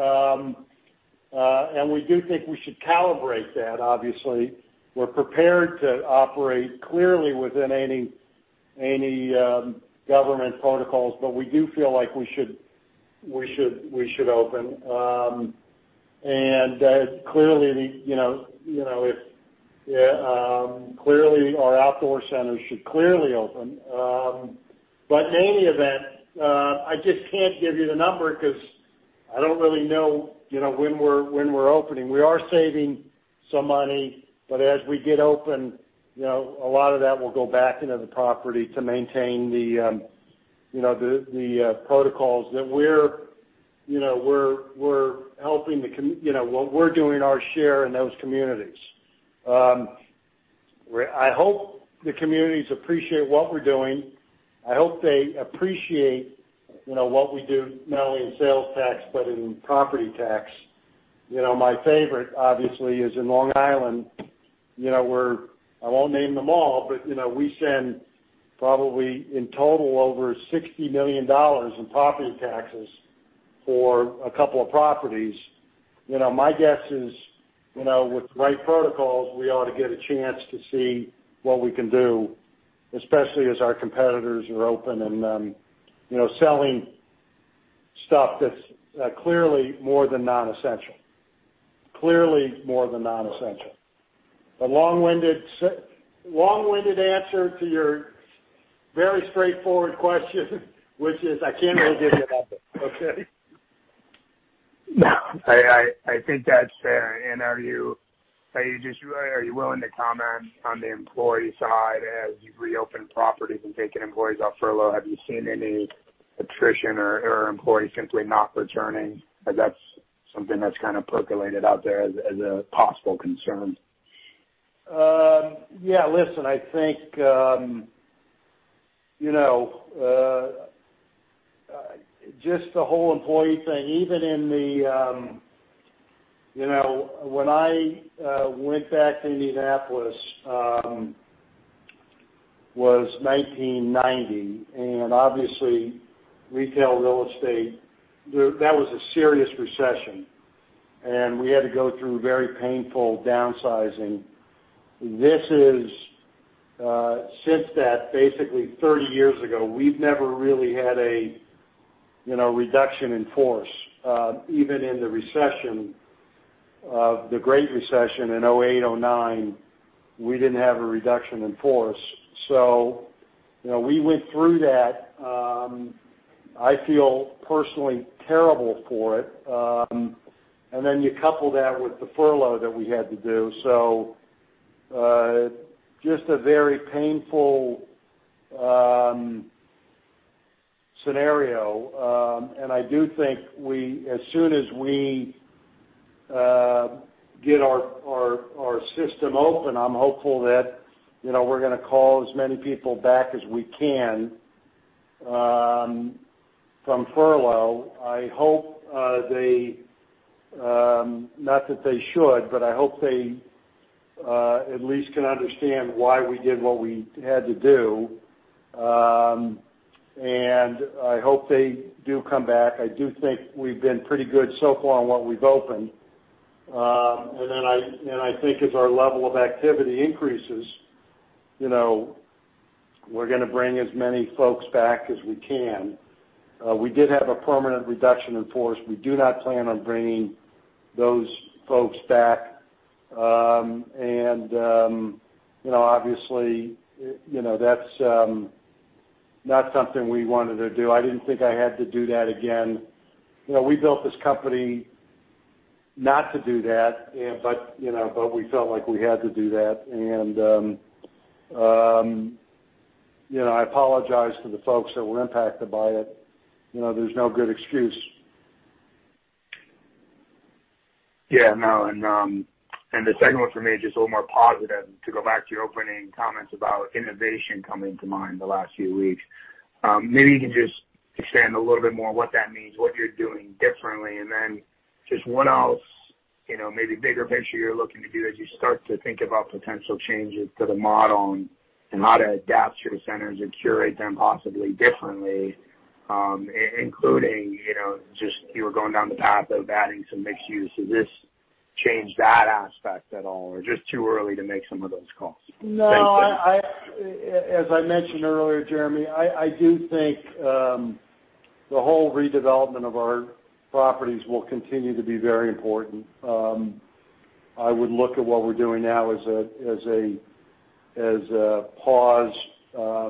We do think we should calibrate that, obviously. We're prepared to operate clearly within any government protocols, we do feel like we should open. Clearly, our outdoor centers should clearly open. In any event, I just can't give you the number because I don't really know when we're opening. We are saving some money, but as we get open, a lot of that will go back into the property to maintain the protocols. We're doing our share in those communities. I hope the communities appreciate what we're doing. I hope they appreciate what we do, not only in sales tax but in property tax. My favorite obviously is in Long Island, where I won't name them all, but we send probably in total over $60 million in property taxes for a couple of properties. My guess is, with the right protocols, we ought to get a chance to see what we can do, especially as our competitors are open and selling stuff that's clearly more than non-essential. A long-winded answer to your very straightforward question, which is, I can't really give you a number. Okay? No. I think that's fair. Are you willing to comment on the employee side as you've reopened properties and taken employees off furlough? Have you seen any attrition or employees simply not returning? That's something that's kind of percolated out there as a possible concern. Listen, I think, just the whole employee thing, even when I went back to Indianapolis, was 1990, and obviously retail real estate, that was a serious recession, and we had to go through very painful downsizing. Since that, basically 30 years ago, we've never really had a reduction in force. Even in the recession, the Great Recession in 2008, 2009, we didn't have a reduction in force. We went through that. I feel personally terrible for it. You couple that with the furlough that we had to do. Just a very painful scenario. I do think as soon as we get our system open, I'm hopeful that we're going to call as many people back as we can from furlough. Not that they should, but I hope they at least can understand why we did what we had to do. I hope they do come back. I do think we've been pretty good so far on what we've opened. I think as our level of activity increases, we're going to bring as many folks back as we can. We did have a permanent reduction in force. We do not plan on bringing those folks back. Obviously, that's not something we wanted to do. I didn't think I had to do that again. We built this company not to do that, but we felt like we had to do that. I apologize to the folks that were impacted by it. There's no good excuse. Yeah. No, the second one for me, just a little more positive, to go back to your opening comments about innovation coming to mind the last few weeks. Maybe you can just expand a little bit more what that means, what you're doing differently, just what else, maybe bigger picture you're looking to do as you start to think about potential changes to the model and how to adapt your centers and curate them possibly differently, including, just you were going down the path of adding some mixed use. Has this changed that aspect at all, or just too early to make some of those calls? Thanks. No. As I mentioned earlier, Jeremy, I do think the whole redevelopment of our properties will continue to be very important. I would look at what we're doing now as a pause,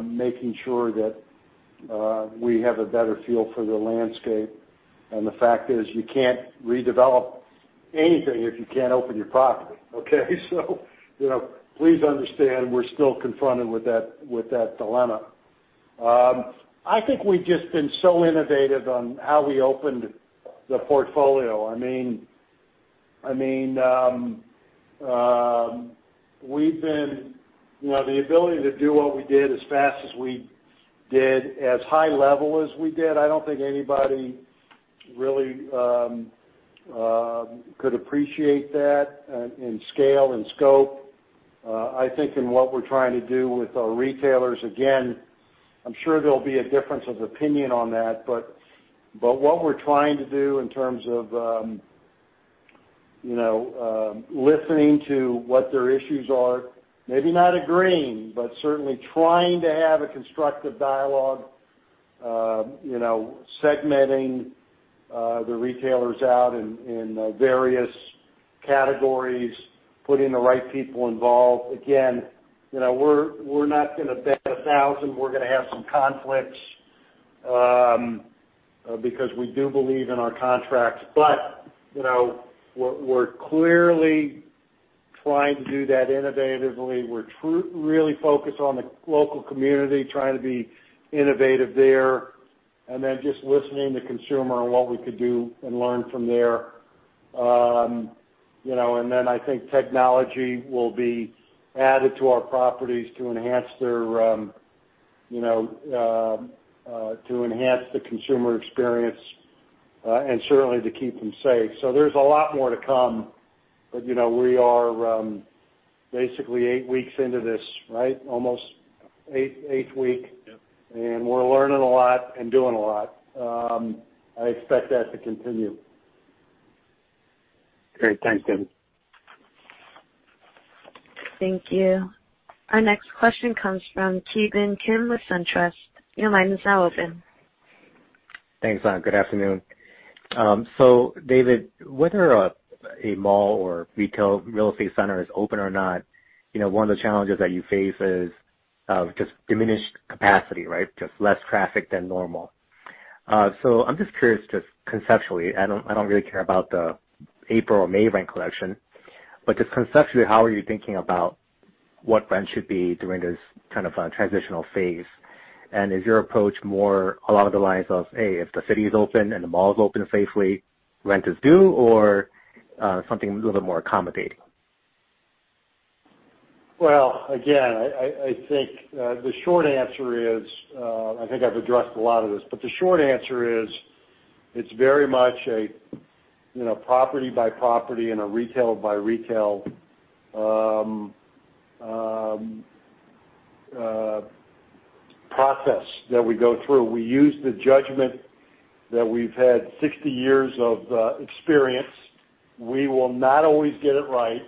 making sure that we have a better feel for the landscape. The fact is, you can't redevelop anything if you can't open your property. Okay. Please understand we're still confronted with that dilemma. I think we've just been so innovative on how we opened the portfolio. The ability to do what we did as fast as we did, as high level as we did, I don't think anybody really could appreciate that in scale and scope. I think in what we're trying to do with our retailers, again, I'm sure there'll be a difference of opinion on that, but what we're trying to do in terms of listening to what their issues are, maybe not agreeing, but certainly trying to have a constructive dialogue, segmenting the retailers out in various categories, putting the right people involved. Again, we're not going to bet 1,000. We're going to have some conflicts, because we do believe in our contracts. We're clearly trying to do that innovatively. We're really focused on the local community, trying to be innovative there, and then just listening to consumer on what we could do and learn from there. I think technology will be added to our properties to enhance the consumer experience, and certainly to keep them safe. There's a lot more to come, but we are basically eight weeks into this, right, almost 8th week. Yep. We're learning a lot and doing a lot. I expect that to continue. Great. Thanks, David. Thank you. Our next question comes from Ki Bin Kim with SunTrust. Your line is now open. Thanks a lot. Good afternoon. David, whether a mall or retail real estate center is open or not, one of the challenges that you face is just diminished capacity, right? Just less traffic than normal. I'm just curious, just conceptually, I don't really care about the April or May rent collection, but just conceptually, how are you thinking about what rent should be during this kind of transitional phase? Is your approach more along the lines of, A, if the city's open and the mall's open safely, rent is due, or something a little bit more accommodating? Well, again, I think the short answer is, I think I've addressed a lot of this, but the short answer is, it's very much a property by property and a retail by retail process that we go through. We use the judgment that we've had 60 years of experience. We will not always get it right,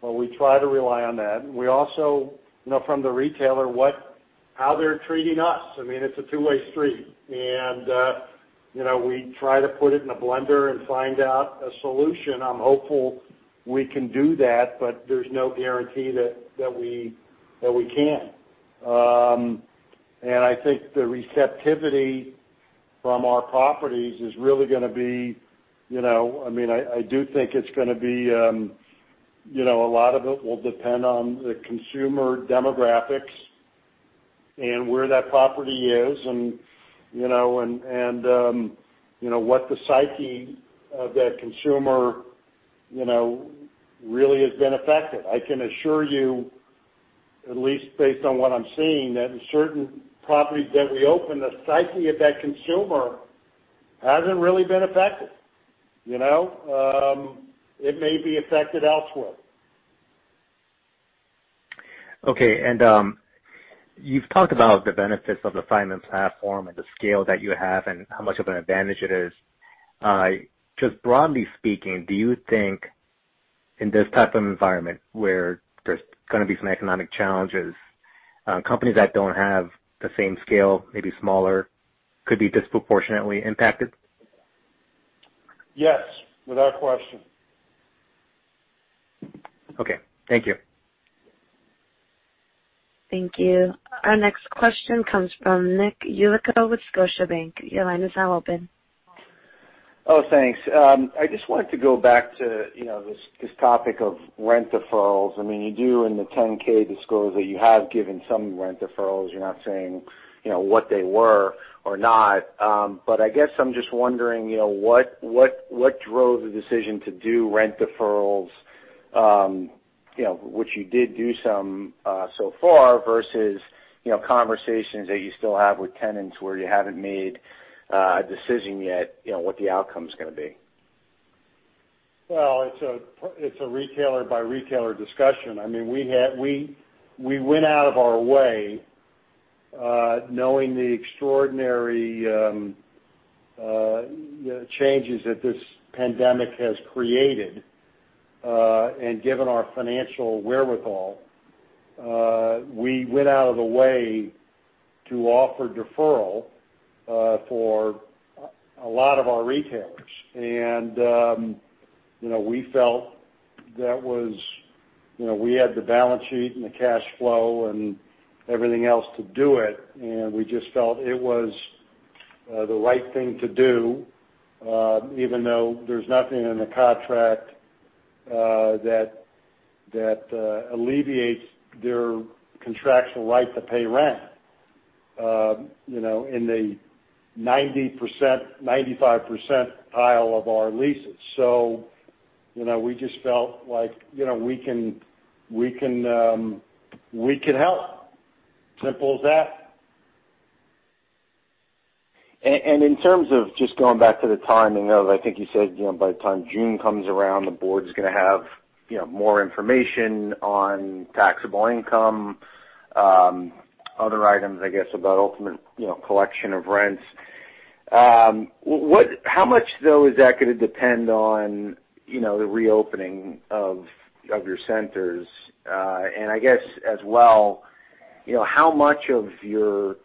but we try to rely on that. We also know from the retailer how they're treating us. It's a two-way street. We try to put it in a blender and find out a solution. I'm hopeful we can do that, but there's no guarantee that we can. I think the receptivity from our properties is really going to be, a lot of it will depend on the consumer demographics and where that property is and what the psyche of that consumer really has been affected. I can assure you, at least based on what I'm seeing, that in certain properties that we opened, the psyche of that consumer hasn't really been affected. It may be affected elsewhere. Okay. You've talked about the benefits of the Simon platform and the scale that you have and how much of an advantage it is. Just broadly speaking, do you think in this type of environment where there's going to be some economic challenges, companies that don't have the same scale, maybe smaller, could be disproportionately impacted? Yes. Without question. Okay. Thank you. Thank you. Our next question comes from Nic Yulico with Scotiabank. Your line is now open. Oh, thanks. I just wanted to go back to this topic of rent deferrals. You do in the 10-K disclose that you have given some rent deferrals. You're not saying what they were or not. I guess I'm just wondering, what drove the decision to do rent deferrals, which you did do some so far, versus conversations that you still have with tenants where you haven't made a decision yet, what the outcome's going to be? Well, it's a retailer by retailer discussion. We went out of our way, knowing the extraordinary changes that this pandemic has created, Given our financial wherewithal, we went out of the way to offer deferral for a lot of our retailers. We felt that we had the balance sheet and the cash flow and everything else to do it, and we just felt it was the right thing to do, even though there's nothing in the contract that alleviates their contractual right to pay rent in the 90%, 95% pile of our leases. We just felt like we can help. Simple as that. In terms of just going back to the timing of, I think you said, by the time June comes around, the board's going to have more information on taxable income, other items, I guess, about ultimate collection of rents. How much, though, is that going to depend on the reopening of your centers? I guess as well,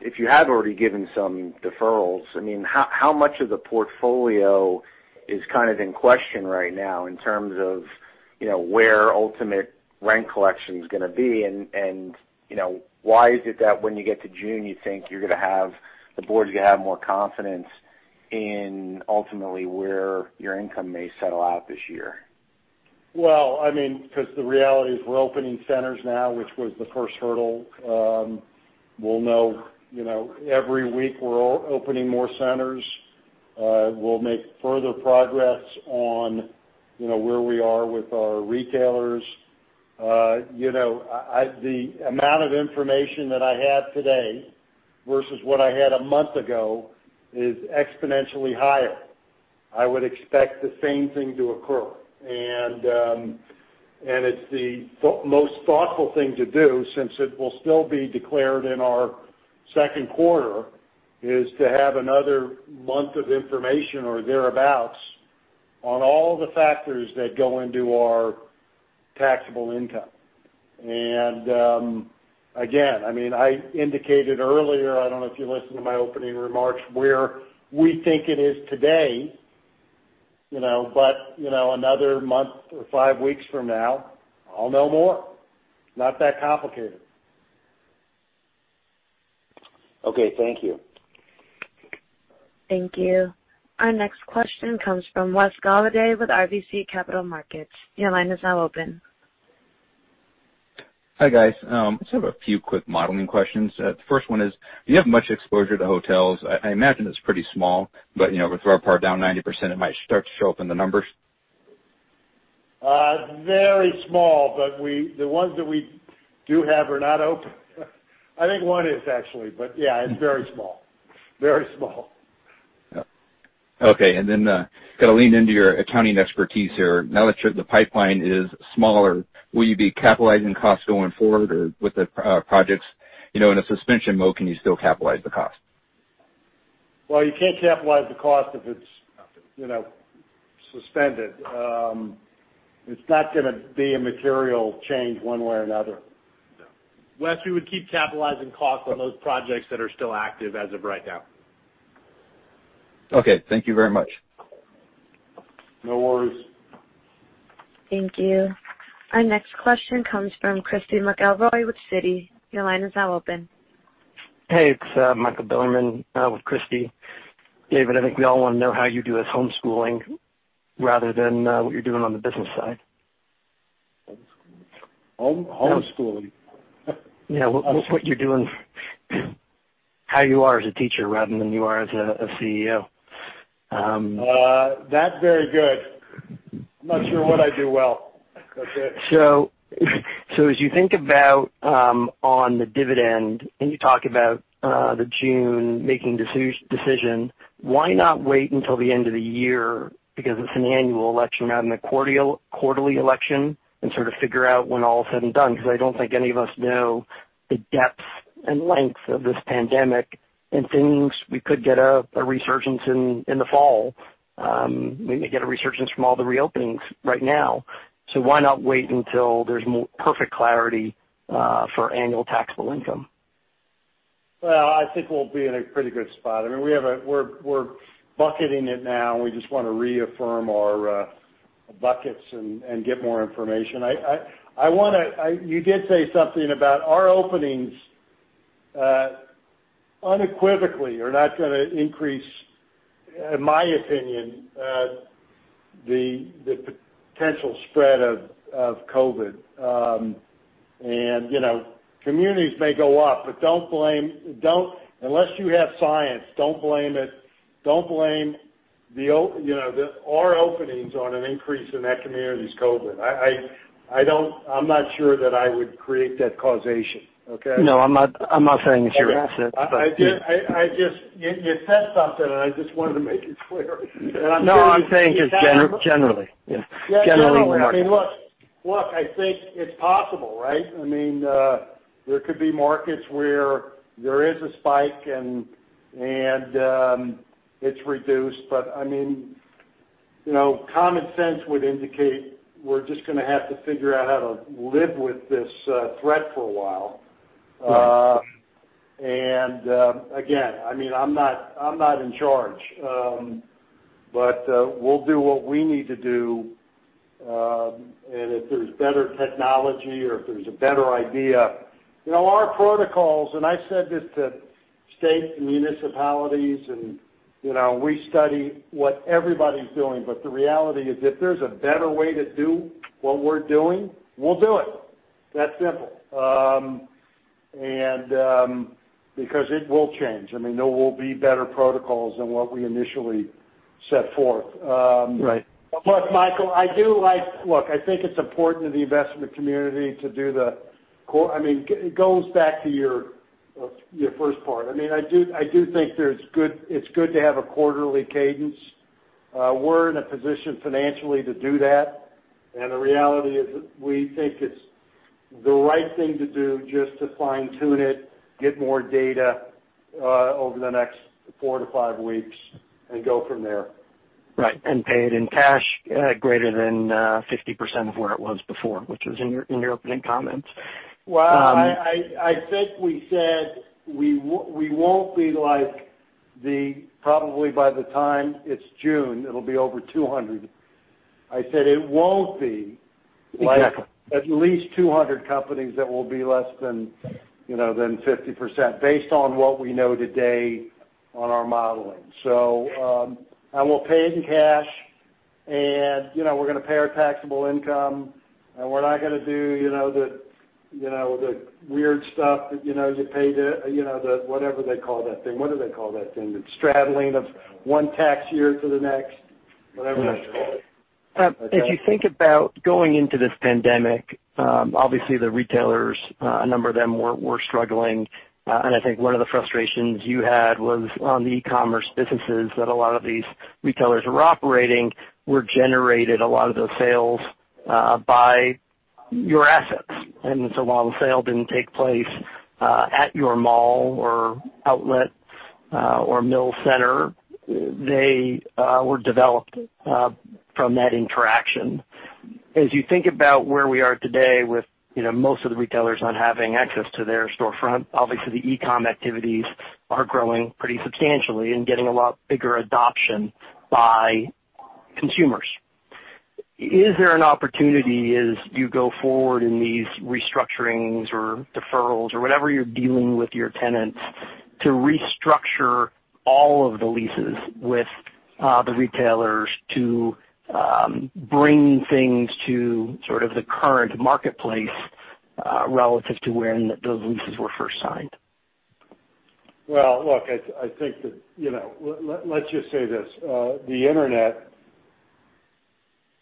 if you have already given some deferrals, how much of the portfolio is kind of in question right now in terms of where ultimate rent collection is going to be? Why is it that when you get to June, you think the board's going to have more confidence in ultimately where your income may settle out this year? Well, because the reality is we're opening centers now, which was the first hurdle. We'll know every week we're opening more centers. We'll make further progress on where we are with our retailers. The amount of information that I have today versus what I had a month ago is exponentially higher. I would expect the same thing to occur. It's the most thoughtful thing to do, since it will still be declared in our second quarter, is to have another month of information or thereabouts on all the factors that go into our taxable income. Again, I indicated earlier, I don't know if you listened to my opening remarks, where we think it is today, but another month or five weeks from now, I'll know more. Not that complicated. Okay. Thank you. Thank you. Our next question comes from Wes Golladay with RBC Capital Markets. Your line is now open. Hi, guys. I just have a few quick modeling questions. The first one is, do you have much exposure to hotels? I imagine it's pretty small, but with RevPAR down 90%, it might start to show up in the numbers. Very small, but the ones that we do have are not open. I think one is actually, but yeah, it's very small. Very small. Yeah. Okay. Got to lean into your accounting expertise here. Now that the pipeline is smaller, will you be capitalizing costs going forward or with the projects in a suspension mode, can you still capitalize the cost? You can't capitalize the cost if it's suspended. It's not going to be a material change one way or another. Wes, we would keep capitalizing costs on those projects that are still active as of right now. Okay. Thank you very much. No worries. Thank you. Our next question comes from Christy McElroy with Citi. Your line is now open. Hey, it's Michael Bilerman with Christy. David, I think we all want to know how you do with homeschooling rather than what you're doing on the business side. Homeschooling? Yeah. What you're doing, how you are as a teacher rather than you are as a CEO. Not very good. I'm not sure what I do well. That's it. As you think about on the dividend, and you talk about the June making decision, why not wait until the end of the year because it's an annual election rather than a quarterly election, and sort of figure out when all is said and done, because I don't think any of us know the depth and length of this pandemic, and things we could get a resurgence in the fall? We may get a resurgence from all the reopenings right now. Why not wait until there's more perfect clarity for annual taxable income? Well, I think we'll be in a pretty good spot. We're bucketing it now, and we just want to reaffirm our buckets and get more information. You did say something about our openings unequivocally are not going to increase, in my opinion, the potential spread of COVID. Communities may go up, but unless you have science, don't blame our openings on an increase in that community's COVID. I'm not sure that I would create that causation. Okay. No, I'm not saying it's your assets. You said something, and I just wanted to make it clear. I'm hearing you. No, I'm saying just generally. Yeah. Generally. Look, I think it's possible, right? There could be markets where there is a spike and it's reduced, but common sense would indicate we're just going to have to figure out how to live with this threat for a while. Right. Again, I'm not in charge. We'll do what we need to do, and if there's better technology or if there's a better idea. Our protocols, and I said this to state municipalities, and we study what everybody's doing, but the reality is, if there's a better way to do what we're doing, we'll do it. That simple. It will change. There will be better protocols than what we initially set forth. Right. Look, Michael, I think it's important to the investment community. It goes back to your first part. I do think it's good to have a quarterly cadence. We're in a position financially to do that, and the reality is we think it's the right thing to do just to fine-tune it, get more data over the next four to five weeks, and go from there. Right, pay it in cash greater than 50% of where it was before, which was in your opening comments. Well, I think we said we won't be probably by the time it's June, it'll be over 200. Exactly. At least 200 companies that will be less than 50%, based on what we know today on our modeling. We'll pay it in cash, and we're going to pay our taxable income, and we're not going to do the weird stuff that you pay the whatever they call that thing. What do they call that thing? The straddling of one tax year to the next. Whatever that's called. If you think about going into this pandemic, obviously the retailers, a number of them were struggling. I think one of the frustrations you had was on the e-commerce businesses that a lot of these retailers were operating, were generated, a lot of those sales, by your assets. While the sale didn't take place at your mall or outlet or Mills center, they were developed from that interaction. As you think about where we are today with most of the retailers not having access to their storefront, obviously the e-com activities are growing pretty substantially and getting a lot bigger adoption by consumers. Is there an opportunity as you go forward in these restructurings or deferrals or whatever you're dealing with your tenants, to restructure all of the leases with the retailers to bring things to sort of the current marketplace, relative to when those leases were first signed? Well, look, let's just say this. The internet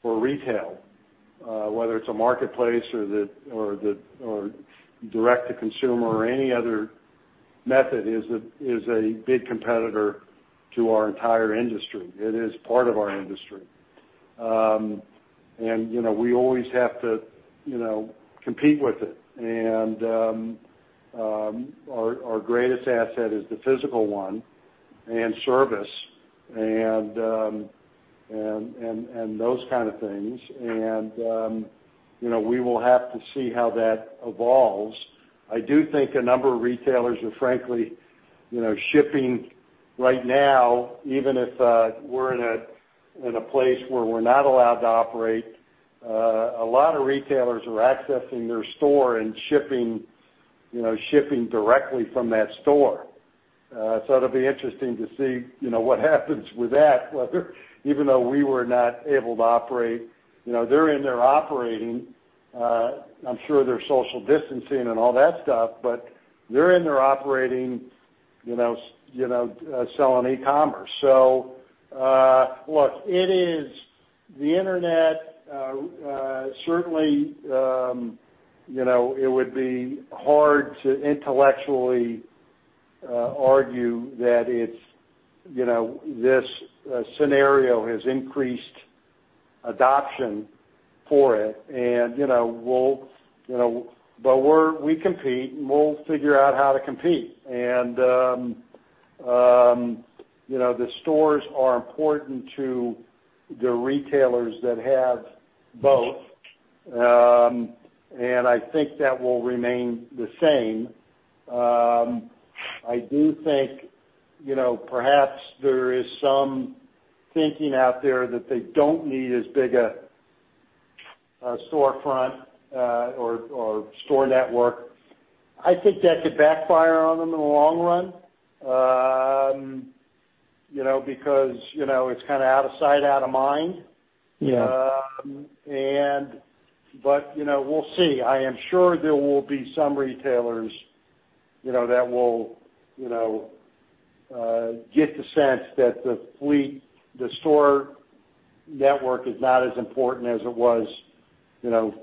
for retail, whether it's a marketplace or direct to consumer or any other method, is a big competitor to our entire industry. It is part of our industry. We always have to compete with it. Our greatest asset is the physical one and service and those kind of things. We will have to see how that evolves. I do think a number of retailers are frankly shipping right now, even if we're in a place where we're not allowed to operate. A lot of retailers are accessing their store and shipping directly from that store. It'll be interesting to see what happens with that. Even though we were not able to operate, they're in there operating. I'm sure they're social distancing and all that stuff, but they're in there operating, selling e-commerce. Look, the internet, certainly, it would be hard to intellectually argue that this scenario has increased adoption for it. We compete, and we'll figure out how to compete. The stores are important to the retailers that have both. I think that will remain the same. I do think perhaps there is some thinking out there that they don't need as big a storefront or store network. I think that could backfire on them in the long run, because it's kind of out of sight, out of mind. Yeah. We'll see. I am sure there will be some retailers that will get the sense that the store network is not as important as it was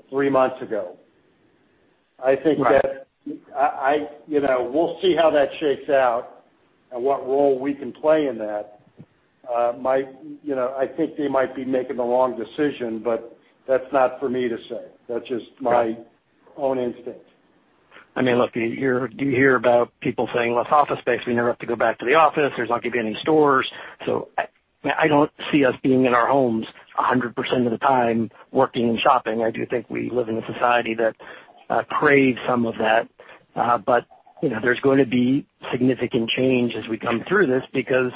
three months ago. Right. We'll see how that shakes out and what role we can play in that. I think they might be making the wrong decision, but that's not for me to say. That's just my own instinct. Look, you hear about people saying less office space. We never have to go back to the office. There's not going to be any stores. I don't see us being in our homes 100% of the time working and shopping. I do think we live in a society that craves some of that. There's going to be significant change as we come through this because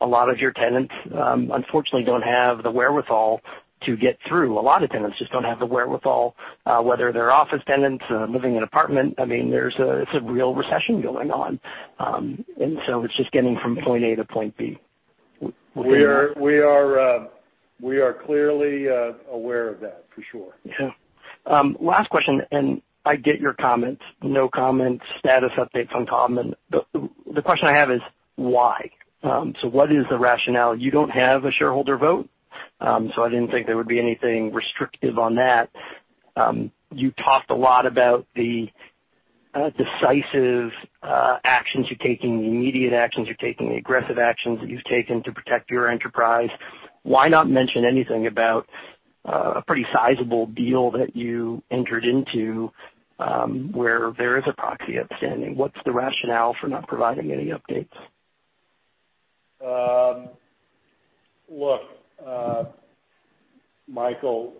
a lot of your tenants, unfortunately, don't have the wherewithal to get through. A lot of tenants just don't have the wherewithal, whether they're office tenants, living in an apartment. It's a real recession going on. It's just getting from point A to point B. We are clearly aware of that, for sure. Yeah. Last question. I get your comments, no comments, status updates on Taubman. The question I have is, why? What is the rationale? You don't have a shareholder vote, so I didn't think there would be anything restrictive on that. You talked a lot about the decisive actions you're taking, the immediate actions you're taking, the aggressive actions that you've taken to protect your enterprise. Why not mention anything about a pretty sizable deal that you entered into, where there is a proxy outstanding? What's the rationale for not providing any updates? Look, Michael,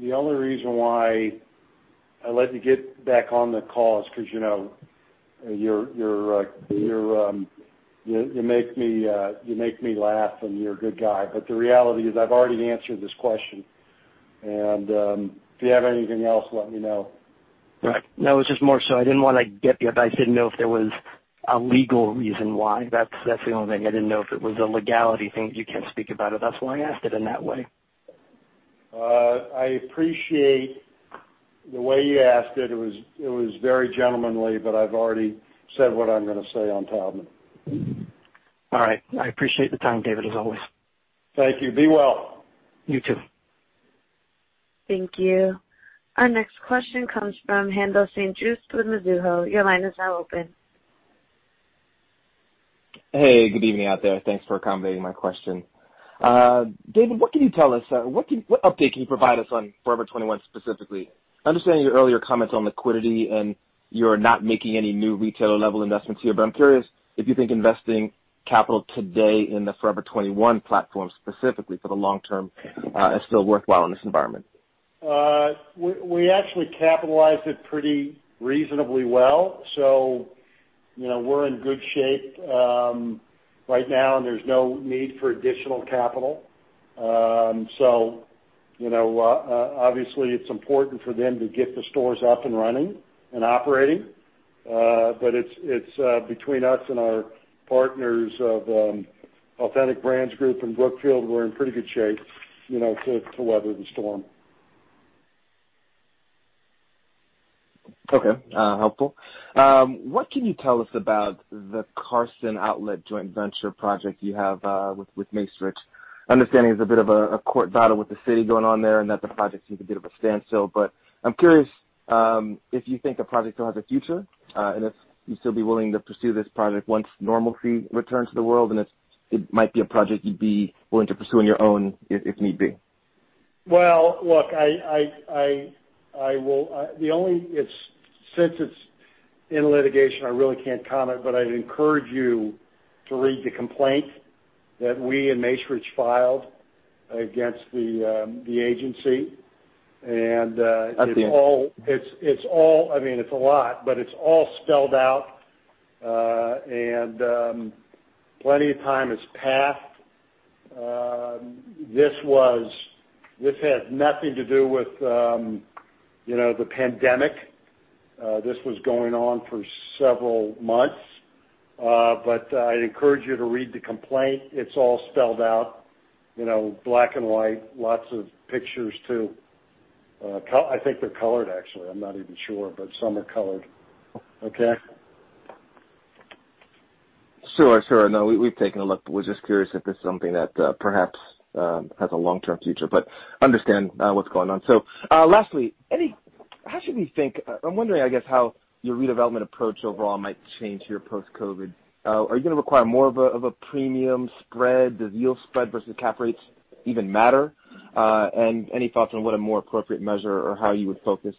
the only reason why I let you get back on the call is because you make me laugh, and you're a good guy. The reality is, I've already answered this question, and if you have anything else, let me know. Right. No, it was just more so I didn't want to get you, but I didn't know if there was a legal reason why. That's the only thing. I didn't know if it was a legality thing that you can't speak about it. That's why I asked it in that way. I appreciate the way you asked it. It was very gentlemanly. I've already said what I'm going to say on Taubman. All right. I appreciate the time, David, as always. Thank you. Be well. You, too. Thank you. Our next question comes from Haendel St. Juste with Mizuho. Your line is now open. Hey, good evening out there. Thanks for accommodating my question. David, what can you tell us, what update can you provide us on Forever 21 specifically? Understanding your earlier comments on liquidity, and you're not making any new retailer-level investments here, but I'm curious if you think investing capital today in the Forever 21 platform, specifically for the long term, is still worthwhile in this environment. We actually capitalized it pretty reasonably well. We're in good shape right now, and there's no need for additional capital. Obviously it's important for them to get the stores up and running and operating. Between us and our partners of Authentic Brands Group and Brookfield, we're in pretty good shape to weather the storm. Okay. Helpful. What can you tell us about the Carson Outlet joint venture project you have with Macerich? Understanding there's a bit of a court battle with the city going on there, and that the project seems a bit of a standstill. I'm curious if you think the project still has a future, and if you'd still be willing to pursue this project once normalcy returns to the world, and if it might be a project you'd be willing to pursue on your own if need be. Well, look, since it's in litigation, I really can't comment, but I'd encourage you to read the complaint that we and Macerich filed against the agency. I'll see. It's a lot, but it's all spelled out. Plenty of time has passed. This had nothing to do with the pandemic. This was going on for several months. I'd encourage you to read the complaint. It's all spelled out, black and white, lots of pictures, too. I think they're colored, actually. I'm not even sure, but some are colored. Okay. Sure. No, we've taken a look. We're just curious if it's something that perhaps has a long-term future. Understand what's going on. Lastly, how should we think, I'm wondering, I guess, how your redevelopment approach overall might change here post-COVID. Are you going to require more of a premium spread? Does yield spread versus cap rates even matter? Any thoughts on what a more appropriate measure or how you would focus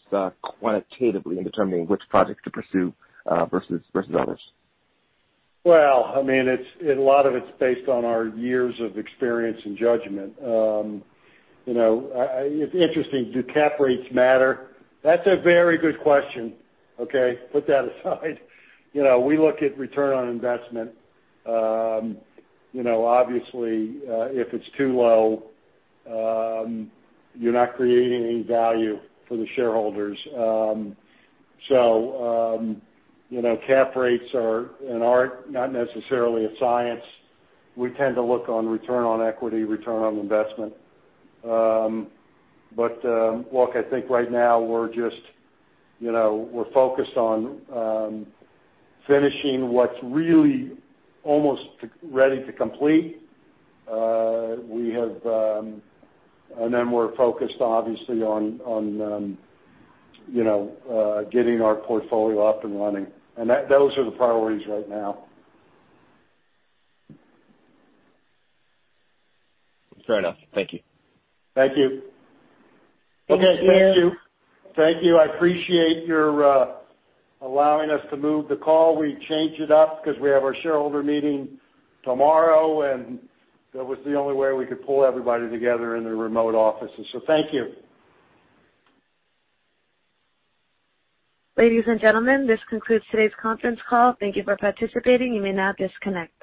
quantitatively in determining which projects to pursue versus others? Well, a lot of it's based on our years of experience and judgment. It's interesting. Do cap rates matter? That's a very good question, okay. Put that aside. We look at return on investment. Obviously, if it's too low, you're not creating any value for the shareholders. Cap rates are an art, not necessarily a science. We tend to look on return on equity, return on investment. Look, I think right now we're focused on finishing what's really almost ready to complete. We're focused, obviously, on getting our portfolio up and running. Those are the priorities right now. Fair enough. Thank you. Thank you. Thank you. Okay, thank you. I appreciate your allowing us to move the call. We changed it up because we have our shareholder meeting tomorrow. That was the only way we could pull everybody together in the remote offices. Thank you. Ladies and gentlemen, this concludes today's conference call. Thank you for participating. You may now disconnect.